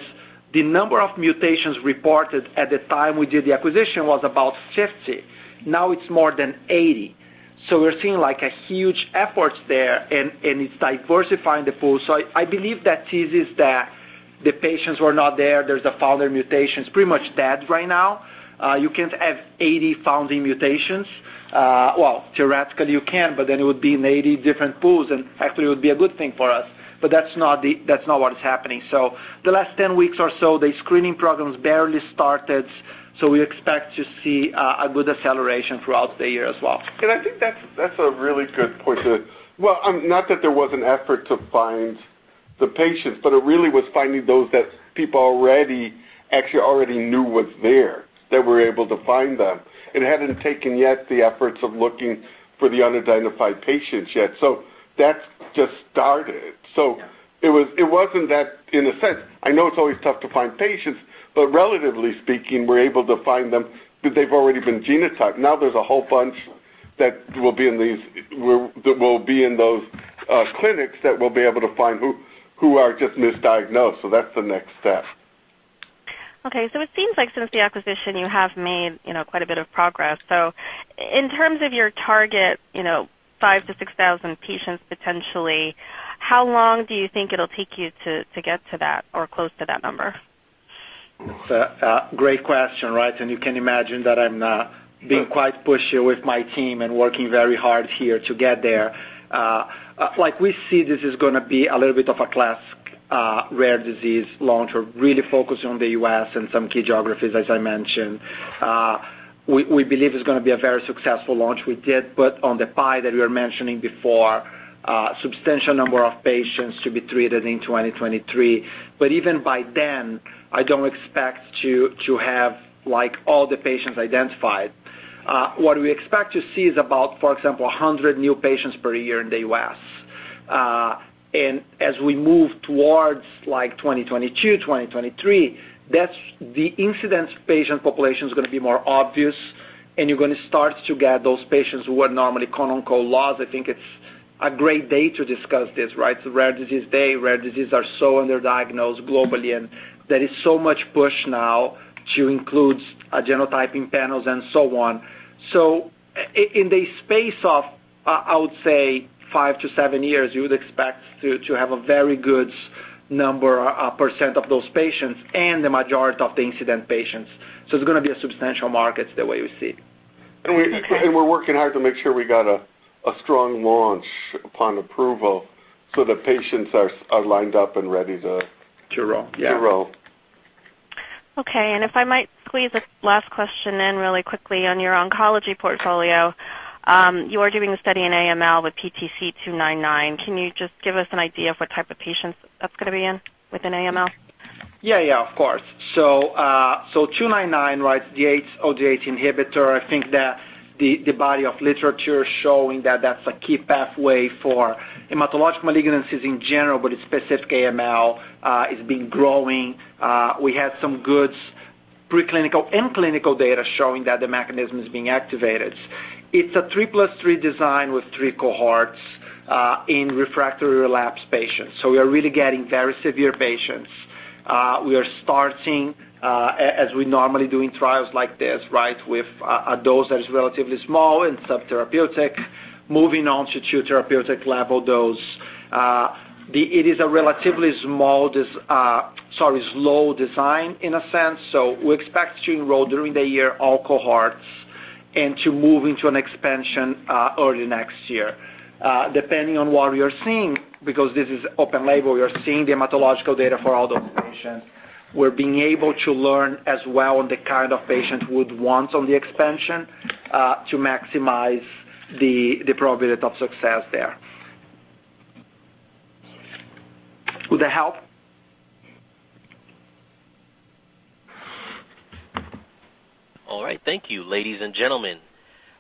the number of mutations reported at the time we did the acquisition was about 50. Now it's more than 80. We're seeing a huge effort there, and it's diversifying the pool. I believe the thesis that the patients were not there's the founder mutations, pretty much dead right now. You can't have 80 founding mutations. Well, theoretically you can, but then it would be in 80 different pools, and actually it would be a good thing for us, but that's not what is happening. The last 10 weeks or so, the screening programs barely started. We expect to see a good acceleration throughout the year as well. I think that's a really good point. Well, not that there was an effort to find the patients, but it really was finding those that people actually already knew was there, that we're able to find them. It hadn't taken yet the efforts of looking for the unidentified patients yet. That's just started. Yeah. It wasn't that in a sense. I know it's always tough to find patients, but relatively speaking, we're able to find them because they've already been genotyped. There's a whole bunch that will be in those clinics that will be able to find who are just misdiagnosed. That's the next step. Okay. It seems like since the acquisition, you have made quite a bit of progress. In terms of your target 5,000 to 6,000 patients, potentially, how long do you think it'll take you to get to that or close to that number? That's a great question, right? You can imagine that I'm being quite pushy with my team and working very hard here to get there. We see this is going to be a little bit of a class A rare disease launch. We're really focused on the U.S. and some key geographies, as I mentioned. We believe it's going to be a very successful launch. We did put on the pie that we were mentioning before, a substantial number of patients to be treated in 2023. Even by then, I don't expect to have all the patients identified. What we expect to see is about, for example, 100 new patients per year in the U.S. As we move towards like 2022, 2023, the incident patient population is going to be more obvious, and you're going to start to get those patients who were normally quote unquote, "lost." I think it's a great day to discuss this, right? It's a Rare Disease Day. Rare diseases are so underdiagnosed globally, and there is so much push now to include genotyping panels and so on. In the space of, I would say five to seven years, you would expect to have a very good number or percent of those patients and the majority of the incident patients. It's going to be a substantial market the way we see it. We're working hard to make sure we got a strong launch upon approval so the patients are lined up and ready. To roll. Yeah. To roll. Okay. If I might squeeze a last question in really quickly on your oncology portfolio. You are doing a study in AML with PTC299. Can you just give us an idea of what type of patients that's going to be in within AML? Yes, of course. PTC299, right? The DHODH inhibitor. I think that the body of literature showing that that's a key pathway for hematologic malignancies in general, but it's specific AML, is growing. We had some good preclinical and clinical data showing that the mechanism is being activated. It's a three plus three design with 3 cohorts in refractory relapse patients, so we are really getting very severe patients. We are starting, as we normally do in trials like this, right, with a dose that is relatively small and subtherapeutic, moving on to therapeutic level dose. It is a relatively slow design in a sense. We expect to enroll, during the year, all cohorts and to move into an expansion early next year. Depending on what we are seeing, because this is open label, we are seeing the hematologic data for all those patients. We're being able to learn as well the kind of patient we would want on the expansion to maximize the probability of success there. Did that help? All right. Thank you, ladies and gentlemen.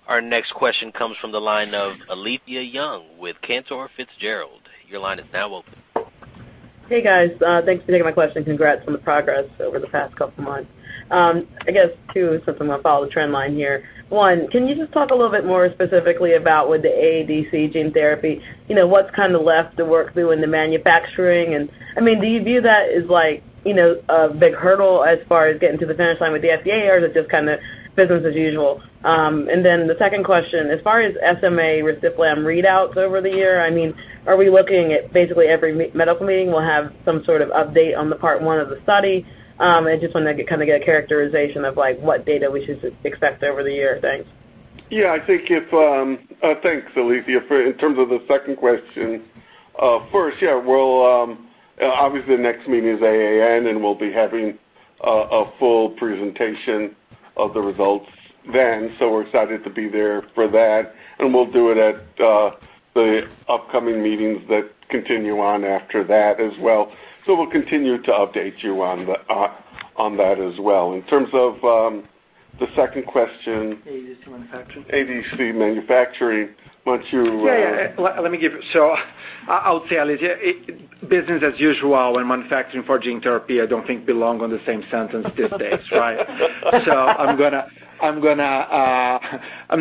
Our next question comes from the line of Alethia Young with Cantor Fitzgerald. Your line is now open. Hey, guys. Thanks for taking my question. Congrats on the progress over the past couple of months. I guess two, since I'm going to follow the trend line here. One, can you just talk a little bit more specifically about with the AADC gene therapy, what's left to work through in the manufacturing? Do you view that as like a big hurdle as far as getting to the finish line with the FDA, or is it just business as usual? The second question, as far as SMA risdiplam readouts over the year, are we looking at basically every medical meeting will have some sort of update on the part 1 of the study? I just want to get a characterization of what data we should expect over the year. Thanks. Thanks, Alethia. In terms of the second question first, obviously next meeting is AAN, and we'll be having a full presentation of the results then. We're excited to be there for that, and we'll do it at the upcoming meetings that continue on after that as well. We'll continue to update you on that as well. In terms of the second question- AADC manufacturing. AADC manufacturing. Why don't you- I'll tell you. Business as usual and manufacturing for gene therapy I don't think belong in the same sentence these days, right? I'm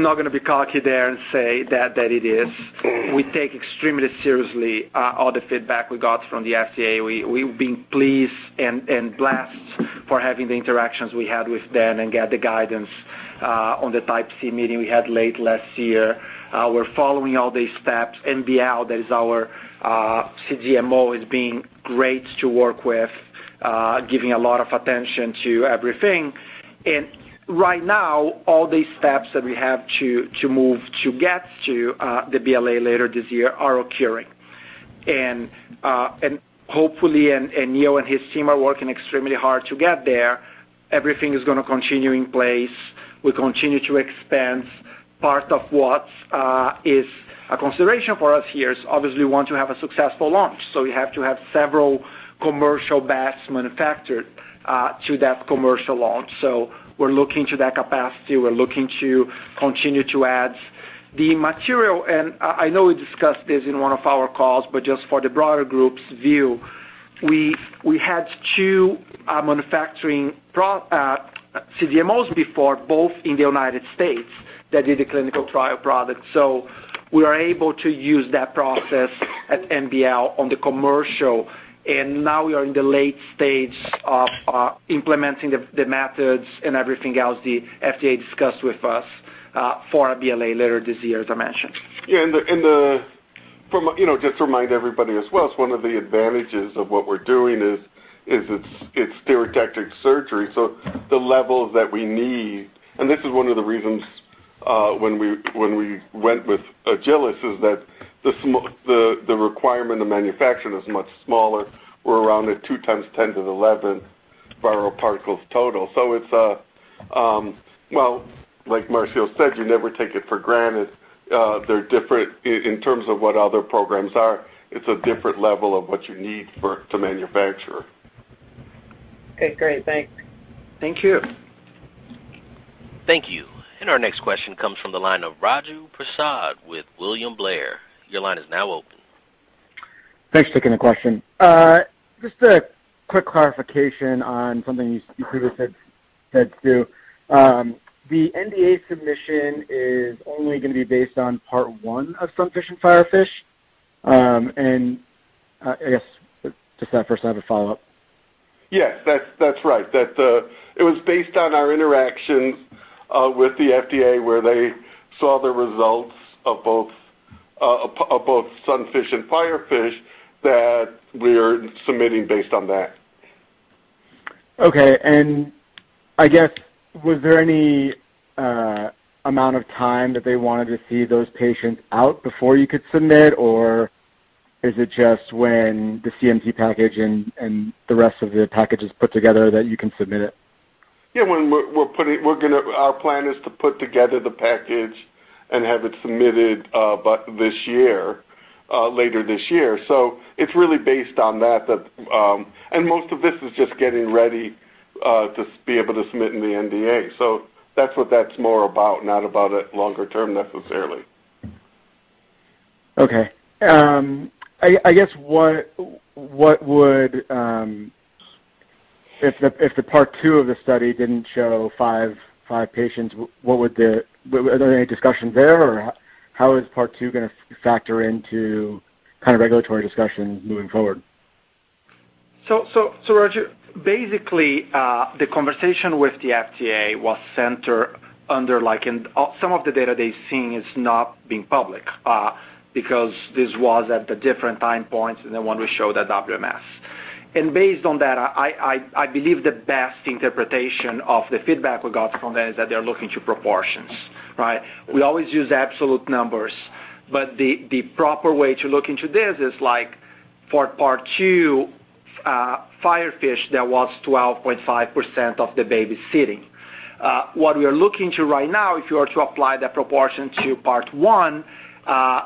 not going to be cocky there and say that it is. We take extremely seriously all the feedback we got from the FDA. We've been pleased and blessed for having the interactions we had with them and get the guidance on the type C meeting we had late last year. We're following all these steps. NBL, that is our CDMO, is being great to work with, giving a lot of attention to everything. Right now, all these steps that we have to move to get to the BLA later this year are occurring. Hopefully, Neil and his team are working extremely hard to get there, everything is going to continue in place. We continue to expand. Part of what is a consideration for us here is obviously we want to have a successful launch. We have to have several commercial batches manufactured to that commercial launch. We're looking to that capacity. We're looking to continue to add the material. I know we discussed this in one of our calls, but just for the broader group's view, we had two manufacturing CDMOs before, both in the U.S. that did the clinical trial product. We are able to use that process at NBL on the commercial, and now we are in the late stage of implementing the methods and everything else the FDA discussed with us for our BLA later this year, as I mentioned Just to remind everybody as well, it's one of the advantages of what we're doing. It's stereotactic surgery. The levels that we need, and this is one of the reasons when we went with Agilis, is that the requirement to manufacture it is much smaller. We're around the 2x10 to the 11th viral particles total. Like Marcio said you never take it for granted. They're different in terms of what other programs are. It's a different level of what you need to manufacture. Great. Thanks. Thank you. Thank you. Our next question comes from the line of Raju Prasad with William Blair. Your line is now open. Thanks. Taking the question. Just a quick clarification on something you previously said, Stu. The NDA submission is only going to be based on part one of SUNFISH and FIREFISH. I guess, just that first. I have a follow-up. Yes, that's right. That it was based on our interactions with the FDA, where they saw the results of both SUNFISH and FIREFISH, that we're submitting based on that. Okay. I guess, was there any amount of time that they wanted to see those patients out before you could submit? Or is it just when the CMC package and the rest of the package is put together that you can submit it? Our plan is to put together the package and have it submitted this year, later this year. It's really based on that. Most of this is just getting ready to be able to submit in the NDA. That's what that's more about, not about it longer term necessarily. I guess, if the part two of the study didn't show five patients, are there any discussions there? How is part two going to factor into kind of regulatory discussions moving forward? Raju, basically, the conversation with the FDA was centered under some of the data they've seen is not being public, because this was at the different time points than the one we showed at WMS. Based on that, I believe the best interpretation of the feedback we got from them is that they're looking to proportions. Right? We always use absolute numbers, but the proper way to look into this is like for part two, FIREFISH, that was 12.5% of the babies sitting. What we are looking to right now, if you are to apply that proportion to part one,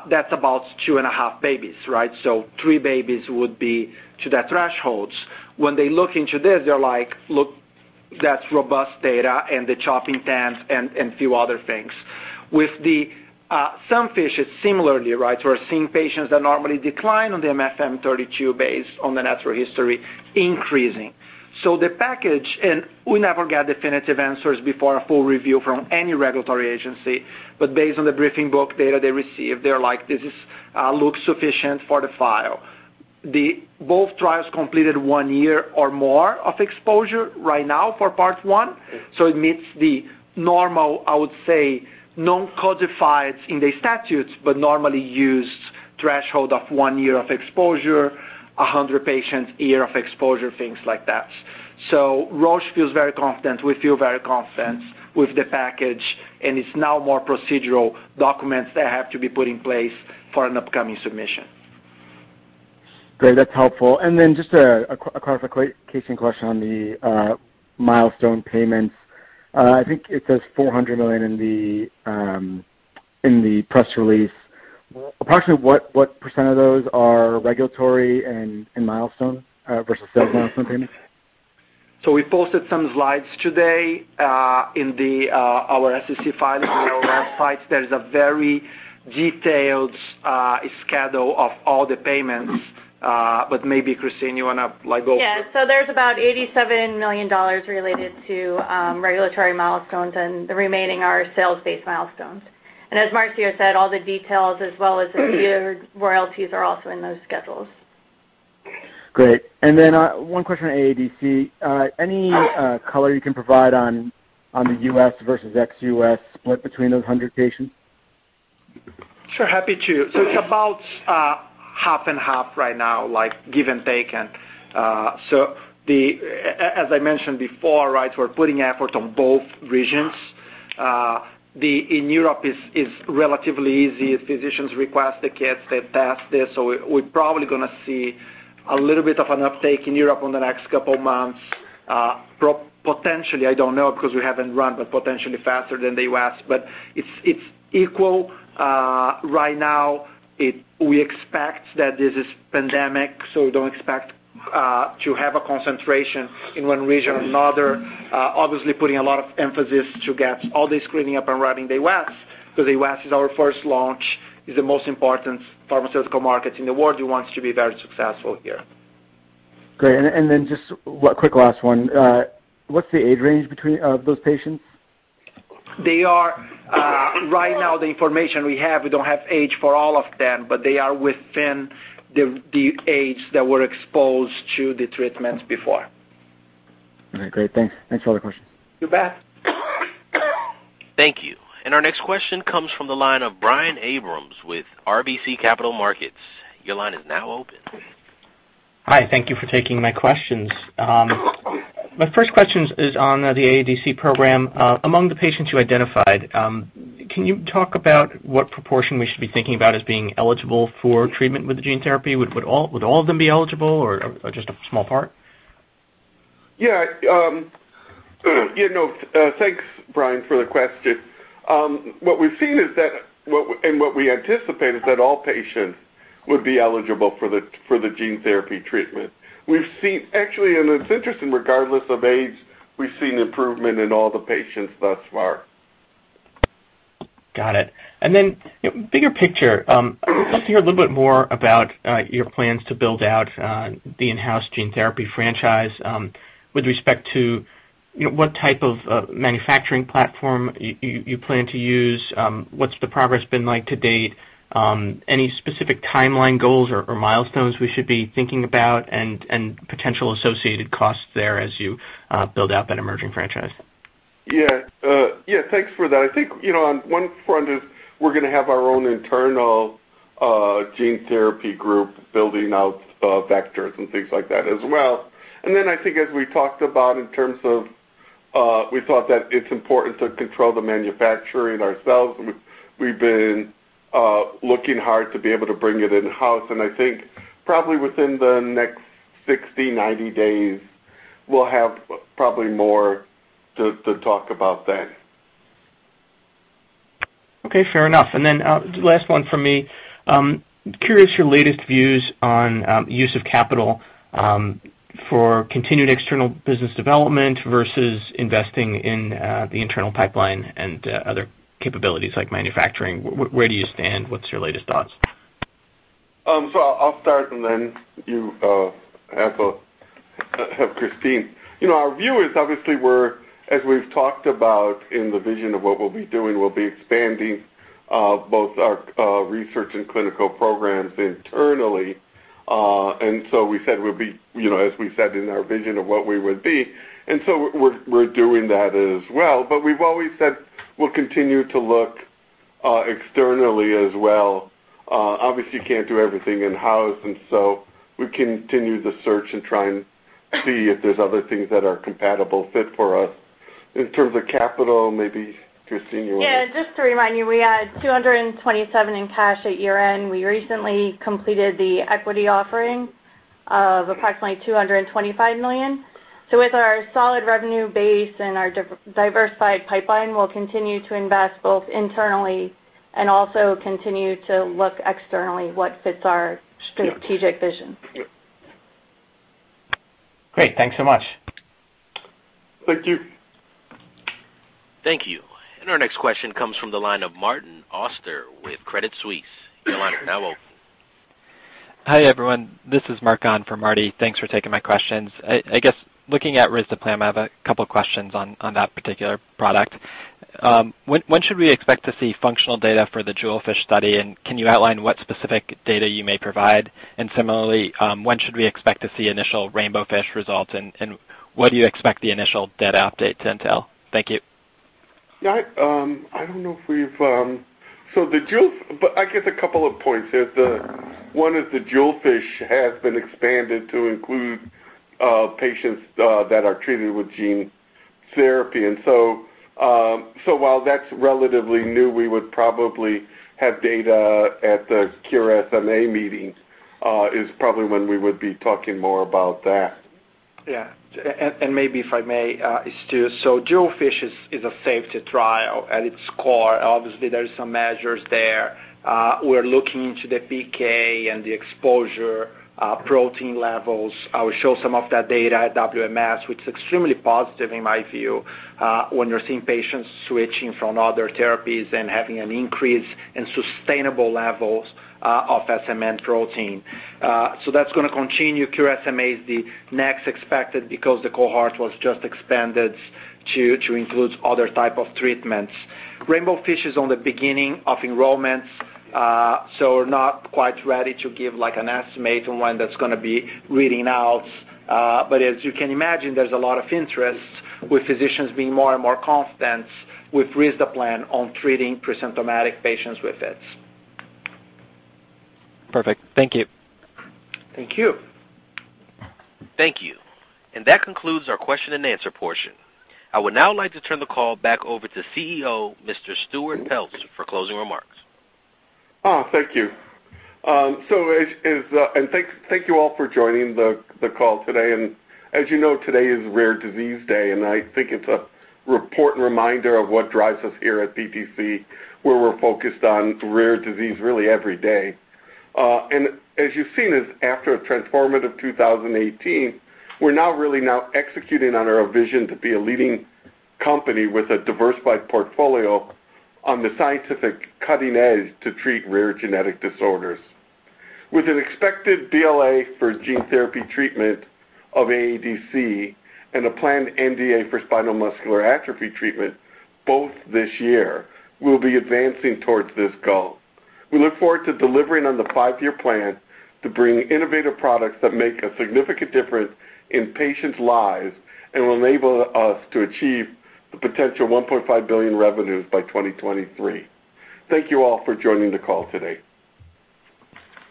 that's about two and a half babies, right? Three babies would be to that thresholds. When they look into this, they're like, "Look, that's robust data," and the CHOP INTEND and few other things. With the SUNFISH, it's similarly, right? We're seeing patients that normally decline on the MFM32 base on the natural history increasing. The package, and we never got definitive answers before a full review from any regulatory agency, but based on the briefing book data they received, they're like, "This looks sufficient for the file." Both trials completed one year or more of exposure right now for part one. It meets the normal, I would say, non-codified in the statutes, but normally used threshold of one year of exposure, 100 patients, year of exposure, things like that. Roche feels very confident. We feel very confident with the package, and it's now more procedural documents that have to be put in place for an upcoming submission. Great. That's helpful. Then just a clarification question on the milestone payments. I think it says $400 million in the press release. Approximately what percent of those are regulatory and milestone versus sales milestone payments? We posted some slides today in our SEC files and our websites. There's a very detailed schedule of all the payments. Maybe Christine, you want to go over it? Yeah. There's about $87 million related to regulatory milestones, and the remaining are sales-based milestones. As Marcio said, all the details, as well as the tiered royalties, are also in those schedules. Great. Then one question on AADC. Any color you can provide on the U.S. versus ex-U.S. split between those 100 patients? Sure. Happy to. It's about half and half right now, give and take. As I mentioned before, we're putting effort on both regions. In Europe, it's relatively easy. Physicians request the kits. They test this. We're probably going to see a little bit of an uptake in Europe in the next couple of months. Potentially, I don't know, because we haven't run, but potentially faster than the U.S. It's equal right now. We expect that this is pandemic. Don't expect to have a concentration in one region or another. Obviously, putting a lot of emphasis to get all this cleaning up and running in the U.S., because the U.S. is our first launch, is the most important pharmaceutical market in the world, we want to be very successful here. Great. Just one quick last one. What's the age range of those patients? Right now, the information we have, we don't have age for all of them, but they are within the age that were exposed to the treatments before. All right, great. Thanks. Thanks for all the questions. You bet. Thank you. Our next question comes from the line of Brian Abrahams with RBC Capital Markets. Your line is now open. Hi. Thank you for taking my questions. My first question is on the AADC program. Among the patients you identified, can you talk about what proportion we should be thinking about as being eligible for treatment with the gene therapy? Would all of them be eligible or just a small part? Yeah. Thanks, Brian, for the question. What we've seen and what we anticipate is that all patients would be eligible for the gene therapy treatment. We've seen actually, and it's interesting, regardless of age, we've seen improvement in all the patients thus far. Got it. Bigger picture, I would love to hear a little bit more about your plans to build out the in-house gene therapy franchise with respect to what type of manufacturing platform you plan to use. What's the progress been like to date? Any specific timeline goals or milestones we should be thinking about and potential associated costs there as you build out that emerging franchise? Yeah. Thanks for that. I think on one front is we're going to have our own internal gene therapy group building out vectors and things like that as well. I think as we talked about in terms of, we thought that it's important to control the manufacturing ourselves. We've been looking hard to be able to bring it in-house. I think probably within the next 60 days, 90 days, we'll have probably more to talk about then. Okay, fair enough. Last one from me. Curious your latest views on use of capital for continued external business development versus investing in the internal pipeline and other capabilities like manufacturing. Where do you stand? What's your latest thoughts? I'll start, and then you have Christine. Our view is obviously we're, as we've talked about in the vision of what we'll be doing, we'll be expanding both our research and clinical programs internally. We said we'd be, as we said in our vision of what we would be. We're doing that as well. We've always said we'll continue to look externally as well. Obviously, you can't do everything in-house. We continue the search and try and see if there's other things that are compatible fit for us. In terms of capital, maybe Christine, you want to. Just to remind you, we had $227 million in cash at year-end. We recently completed the equity offering of approximately $225 million. With our solid revenue base and our diversified pipeline, we'll continue to invest both internally and also continue to look externally what fits our strategic vision. Yeah. Great. Thanks so much. Thank you. Thank you. Our next question comes from the line of Martin Auster with Credit Suisse. Your line is now open. Hi, everyone. This is Mark Connolly for Marty. Thanks for taking my questions. I guess looking at risdiplam, I have a couple questions on that particular product. When should we expect to see functional data for the JEWELFISH study? Can you outline what specific data you may provide? Similarly, when should we expect to see initial RAINBOWFISH results? What do you expect the initial data update to entail? Thank you. Yeah. I don't know if we've I guess a couple of points is one, the JEWELFISH has been expanded to include patients that are treated with gene therapy. While that's relatively new, we would probably have data at the Cure SMA meeting, is probably when we would be talking more about that. Yeah. Maybe if I may, Stuart. JEWELFISH is a safety trial at its core. Obviously, there's some measures there. We're looking into the PK and the exposure, protein levels. I will show some of that data at WMS, which is extremely positive in my view, when you're seeing patients switching from other therapies and having an increase in sustainable levels of SMN protein. That's going to continue. Cure SMA is the next expected because the cohort was just expanded to include other type of treatments. RAINBOWFISH is on the beginning of enrollment, so we're not quite ready to give an estimate on when that's going to be reading out. As you can imagine, there's a lot of interest with physicians being more and more confident with risdiplam on treating presymptomatic patients with it. Perfect. Thank you. Thank you. Thank you. That concludes our question and answer portion. I would now like to turn the call back over to CEO, Mr. Stuart Peltz, for closing remarks. Oh, thank you. Thank you all for joining the call today. As you know, today is Rare Disease Day, and I think it's an important reminder of what drives us here at PTC, where we're focused on rare disease really every day. As you've seen, after a transformative 2018, we're now really now executing on our vision to be a leading company with a diversified portfolio on the scientific cutting edge to treat rare genetic disorders. With an expected BLA for gene therapy treatment of AADC and a planned NDA for spinal muscular atrophy treatment both this year, we'll be advancing towards this goal. We look forward to delivering on the five-year plan to bring innovative products that make a significant difference in patients' lives and will enable us to achieve the potential $1.5 billion revenues by 2023. Thank you all for joining the call today.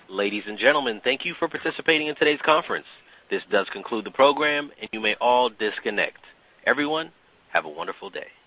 Ladies and gentlemen, thank you for participating in today's conference. This does conclude the program, and you may all disconnect. Everyone, have a wonderful day.